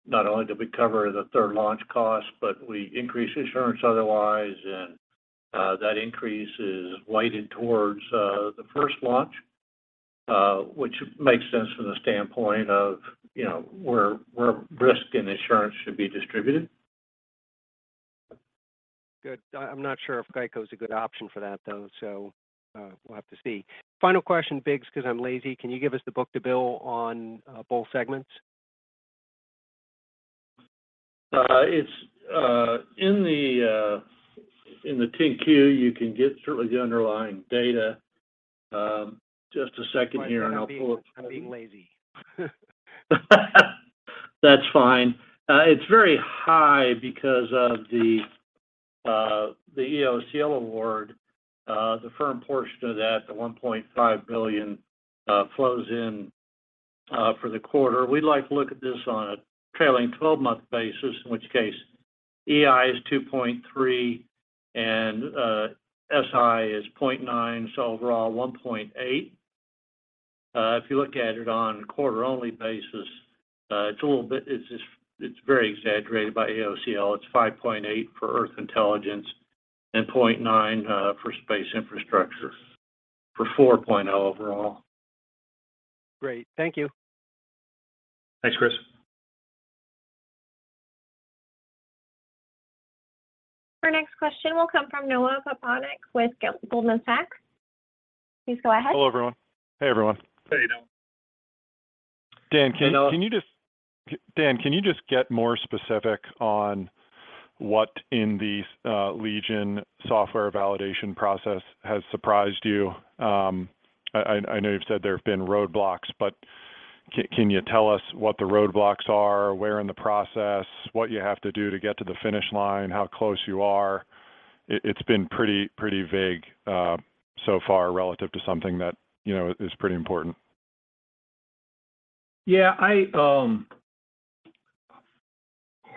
Speaker 4: not only did we cover the third launch cost, but we increased insurance otherwise. That increase is weighted towards the first launch, which makes sense from the standpoint of, you know, where risk and insurance should be distributed.
Speaker 11: Good. I'm not sure if GEO is a good option for that, though. We'll have to see. Final question, Biggs, because I'm lazy. Can you give us the book-to-bill on both segments?
Speaker 4: It's in the 10-Q. You can get certainly the underlying data. Just a second here and I'll pull it-
Speaker 11: Pardon my being, I'm being lazy.
Speaker 4: That's fine. It's very high because of the EOCL award. The firm portion of that, the $1.5 billion, flows in for the quarter. We like to look at this on a trailing 12-month basis, in which case EI is $2.3 billion and SI is $0.9 billion, so overall $1.8 billion. If you look at it on a quarter-only basis, it's very exaggerated by EOCL. It's $5.8 billion for Earth Intelligence and $0.9 billion for Space Infrastructure, for $4.0 billion overall.
Speaker 11: Great. Thank you.
Speaker 3: Thanks, Chris.
Speaker 1: Our next question will come from Noah Poponak with Goldman Sachs. Please go ahead.
Speaker 12: Hello, everyone. Hey, everyone.
Speaker 4: How you doing?
Speaker 12: Dan, can you just-
Speaker 4: Hello
Speaker 12: Dan, can you just get more specific on what in the Legion software validation process has surprised you? I know you've said there have been roadblocks, but can you tell us what the roadblocks are, where in the process, what you have to do to get to the finish line, how close you are? It's been pretty vague so far relative to something that you know is pretty important.
Speaker 3: Yeah.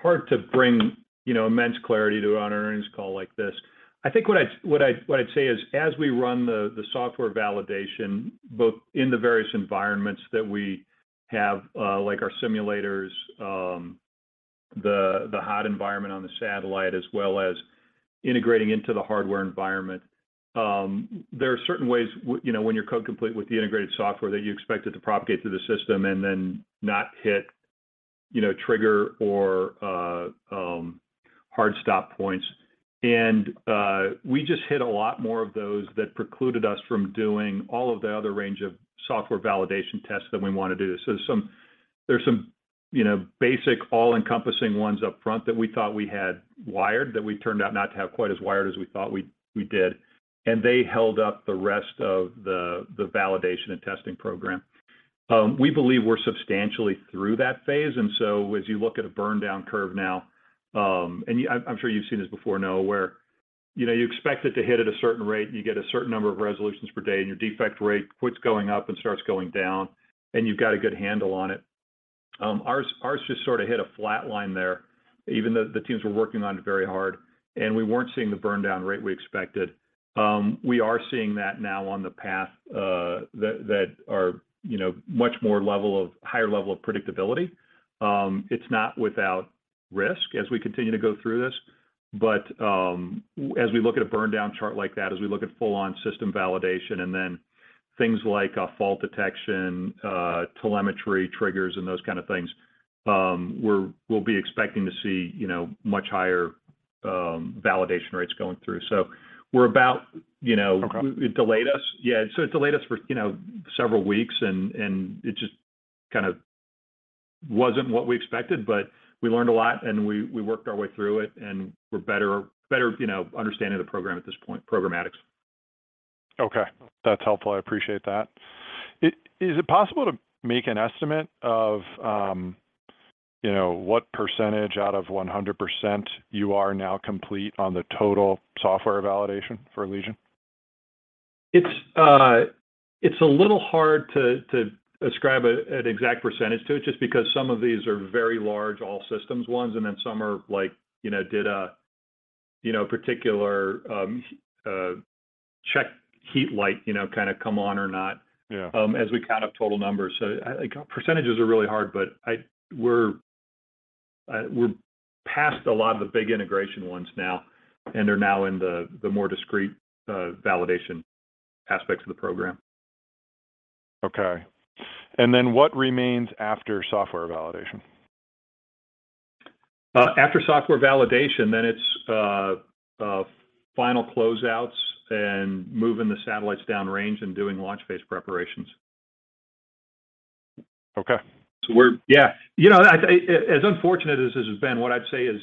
Speaker 3: Hard to bring, you know, immense clarity to on an earnings call like this. I think what I'd say is, as we run the software validation, both in the various environments that we have, like our simulators, the hot environment on the satellite, as well as integrating into the hardware environment, there are certain ways you know, when you're code complete with the integrated software that you expect it to propagate through the system and then not hit, you know, trigger or hard stop points. We just hit a lot more of those that precluded us from doing all of the other range of software validation tests that we wanna do. There's some, you know, basic all-encompassing ones up front that we thought we had wired that we turned out not to have quite as wired as we thought we did, and they held up the rest of the validation and testing program. We believe we're substantially through that phase. As you look at a burn down curve now, I'm sure you've seen this before, Noah, where you know, you expect it to hit at a certain rate, and you get a certain number of resolutions per day, and your defect rate quits going up and starts going down, and you've got a good handle on it. Ours just sort of hit a flat line there, even though the teams were working on it very hard, and we weren't seeing the burndown rate we expected. We are seeing that now on the path that you know higher level of predictability. It's not without risk as we continue to go through this. As we look at a burndown chart like that, as we look at full-on system validation and then things like fault detection, telemetry triggers, and those kind of things, we'll be expecting to see you know much higher validation rates going through. We're about you know
Speaker 12: Okay.
Speaker 3: It delayed us. Yeah. It delayed us for, you know, several weeks and it just kind of wasn't what we expected. We learned a lot, and we worked our way through it, and we're better, you know, understanding the program at this point, programmatics.
Speaker 12: Okay. That's helpful. I appreciate that. Is it possible to make an estimate of, you know, what percentage out of 100% you are now complete on the total software validation for Legion?
Speaker 3: It's a little hard to ascribe an exact percentage to it just because some of these are very large all systems ones, and then some are like, you know, did a, you know, particular check heat light, you know, kind of come on or not.
Speaker 12: Yeah
Speaker 3: As we count up total numbers. Like, percentages are really hard, but we're past a lot of the big integration ones now, and they're now in the more discrete validation aspects of the program.
Speaker 12: Okay. What remains after software validation?
Speaker 3: After software validation, then it's final closeouts and moving the satellites downrange and doing launch phase preparations.
Speaker 12: Okay.
Speaker 3: Yeah. You know, as unfortunate as this has been, what I'd say is,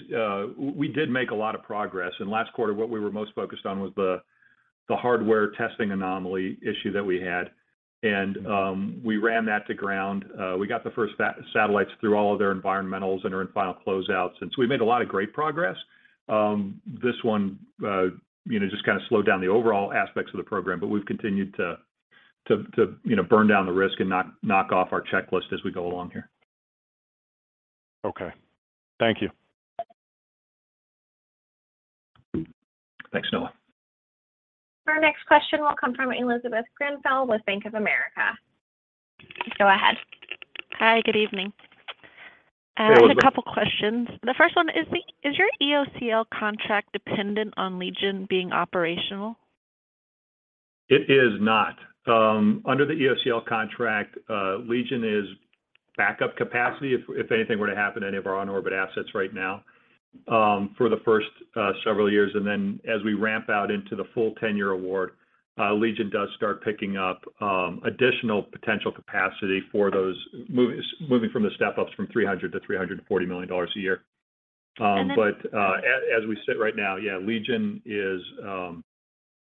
Speaker 3: we did make a lot of progress, and last quarter, what we were most focused on was the hardware testing anomaly issue that we had. We ran that to ground. We got the first satellites through all of their environmentals and are in final closeouts. We've made a lot of great progress. This one, you know, just kind of slowed down the overall aspects of the program, but we've continued to, you know, burn down the risk and knock off our checklist as we go along here.
Speaker 12: Okay. Thank you.
Speaker 3: Thanks, Noah.
Speaker 1: Our next question will come from Elizabeth Grenfell with Bank of America. Go ahead.
Speaker 13: Hi. Good evening.
Speaker 3: Hey, Elizabeth.
Speaker 13: I have a couple questions. The first one, is your EOCL contract dependent on Legion being operational?
Speaker 3: It is not. Under the EOCL contract, Legion is backup capacity if anything were to happen to any of our on-orbit assets right now, for the first several years. Then as we ramp out into the full 10-year award, Legion does start picking up additional potential capacity for those moving from the step-ups from $300 million-$340 million a year.
Speaker 13: Okay.
Speaker 3: As we sit right now, yeah, Legion is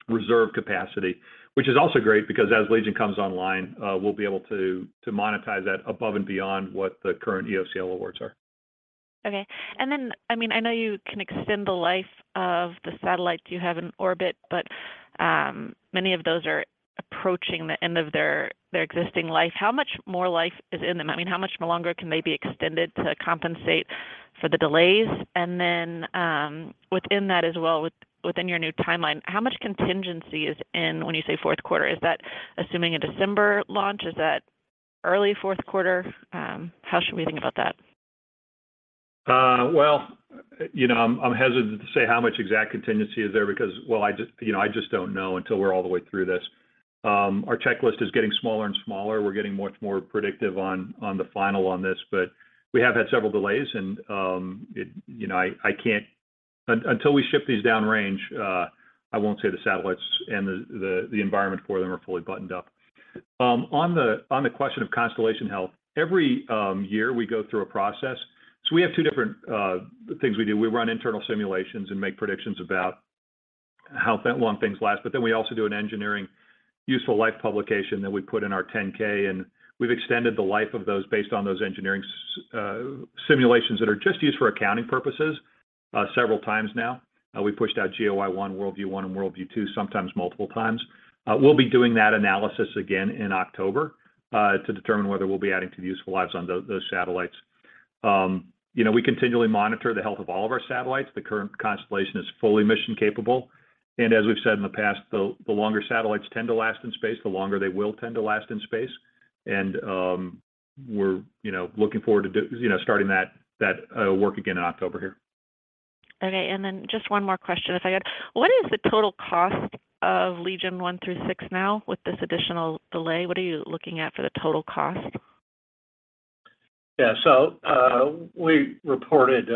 Speaker 3: reserve capacity, which is also great because as Legion comes online, we'll be able to monetize that above and beyond what the current EOCL awards are.
Speaker 13: I mean, I know you can extend the life of the satellites you have in orbit, but many of those are approaching the end of their existing life. How much more life is in them? I mean, how much more longer can they be extended to compensate for the delays? Within that as well, within your new timeline, how much contingency is in when you say fourth quarter? Is that assuming a December launch? Is that early Q4? How should we think about that?
Speaker 3: Well, you know, I'm hesitant to say how much exact contingency is there because, well, I just, you know, I don't know until we're all the way through this. Our checklist is getting smaller and smaller. We're getting much more predictive on the final cost on this. We have had several delays, and until we ship these downrange, I won't say the satellites and the environment for them are fully buttoned up. On the question of constellation health, every year we go through a process. We have two different things we do. We run internal simulations and make predictions about how long things last, but then we also do an engineering useful life publication that we put in our 10-K, and we've extended the life of those based on those engineering simulations that are just used for accounting purposes, several times now. We pushed out GeoEye-1, WorldView-1, and WorldView-2, sometimes multiple times. We'll be doing that analysis again in October, to determine whether we'll be adding to the useful lives on those satellites. You know, we continually monitor the health of all of our satellites. The current constellation is fully mission capable. As we've said in the past, the longer satellites tend to last in space, the longer they will tend to last in space. We're, you know, looking forward to starting that work again in October here.
Speaker 13: Okay. Just one more question if I could. What is the total cost of Legion one through six now with this additional delay? What are you looking at for the total cost?
Speaker 3: We reported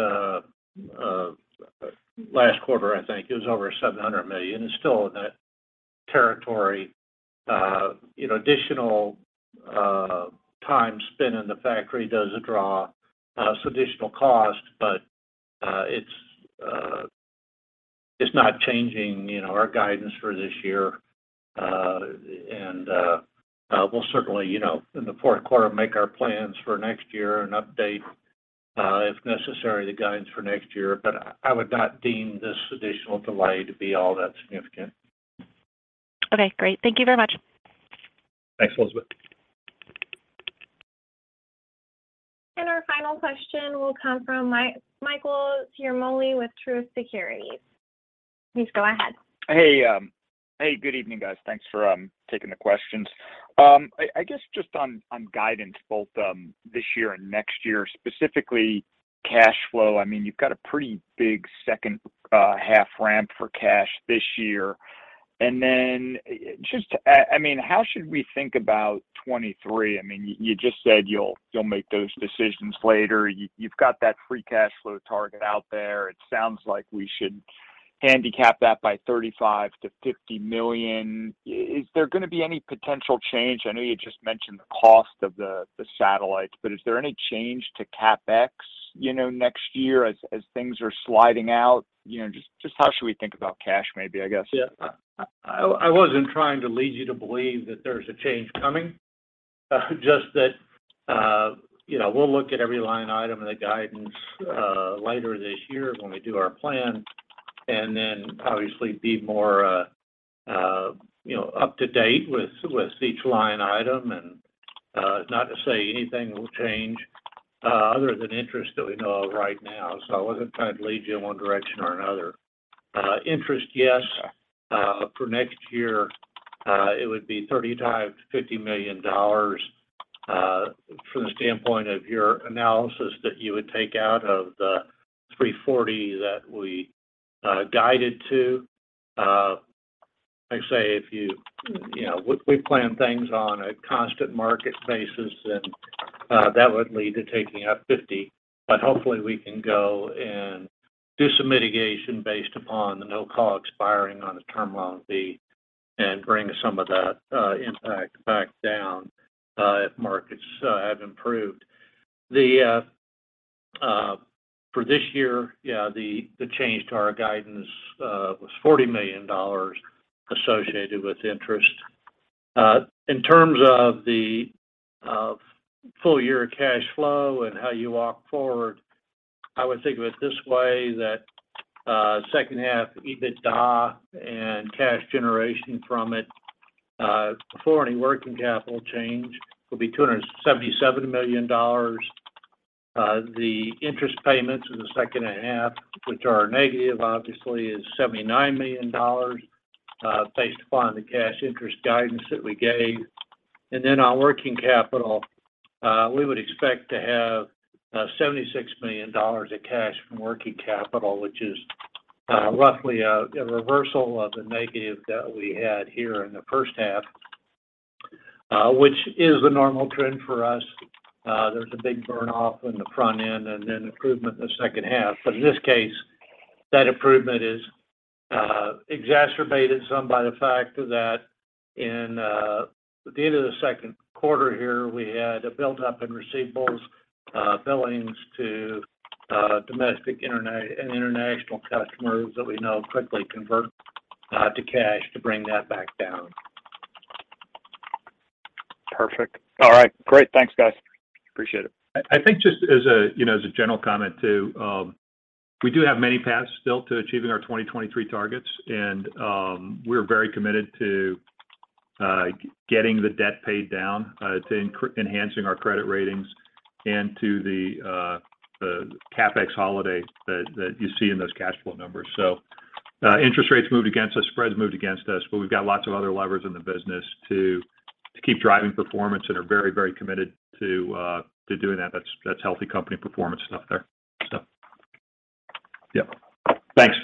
Speaker 3: last quarter, I think, it was over $700 million. It's still in that territory. Additional time spent in the factory does draw some additional cost, but it's not changing our guidance for this year. We'll certainly in the Q4 make our plans for next year and update.
Speaker 4: If necessary, the guidance for next year, but I would not deem this additional delay to be all that significant.
Speaker 13: Okay, great. Thank you very much.
Speaker 4: Thanks, Elizabeth.
Speaker 1: Our final question will come from Michael Ciarmoli with Truist Securities. Please go ahead.
Speaker 14: Hey. Hey, good evening, guys. Thanks for taking the questions. I guess just on guidance both this year and next year, specifically cash flow. I mean, you've got a pretty big second half ramp for cash this year. Then just, I mean, how should we think about 2023? I mean, you just said you'll make those decisions later. You've got that free cash flow target out there. It sounds like we should handicap that by $35 million-$50 million. Is there gonna be any potential change? I know you just mentioned the cost of the satellites, but is there any change to CapEx next year as things are sliding out? You know, just how should we think about cash, maybe, I guess?
Speaker 4: Yeah. I wasn't trying to lead you to believe that there's a change coming. Just that, you know, we'll look at every line item in the guidance later this year when we do our plan, and then obviously be more, you know, up to date with each line item. Not to say anything will change other than interest that we know of right now, so I wasn't trying to lead you in one direction or another. Interest, yes. For next year, it would be $35 million-$50 million from the standpoint of your analysis that you would take out of the $340 million that we guided to. Like I say, if you know, we plan things on a constant market basis, then that would lead to taking out $50 million. Hopefully we can go and do some mitigation based upon the no-call expiring on the Term Loan B and bring some of that impact back down if markets have improved. For this year, the change to our guidance was $40 million associated with interest. In terms of the full year cash flow and how you walk forward, I would think of it this way, that second half EBITDA and cash generation from it before any working capital change will be $277 million. The interest payments in the second half, which are a negative, obviously, is $79 million based upon the cash interest guidance that we gave. On working capital, we would expect to have $76 million of cash from working capital, which is roughly a reversal of the negative that we had here in the first half, which is the normal trend for us. There's a big burn-off in the front end and then improvement in the second half. In this case, that improvement is exacerbated some by the fact that at the end of the Q2 here, we had a build up in receivables, billings to domestic and international customers that we know quickly convert to cash to bring that back down.
Speaker 14: Perfect. All right, great. Thanks, guys. Appreciate it.
Speaker 3: I think just as a, you know, as a general comment too, we do have many paths still to achieving our 2023 targets, and we're very committed to getting the debt paid down to enhancing our credit ratings and to the CapEx holiday that you see in those cash flow numbers. Interest rates moved against us, spreads moved against us, but we've got lots of other levers in the business to keep driving performance and are very, very committed to doing that. That's healthy company performance stuff there.
Speaker 14: Yeah. Thanks.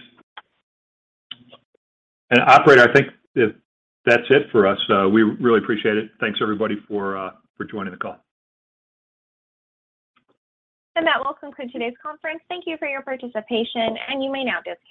Speaker 3: Operator, I think that's it for us. We really appreciate it. Thanks, everybody, for joining the call.
Speaker 1: That will conclude today's conference. Thank you for your participation, and you may now disconnect.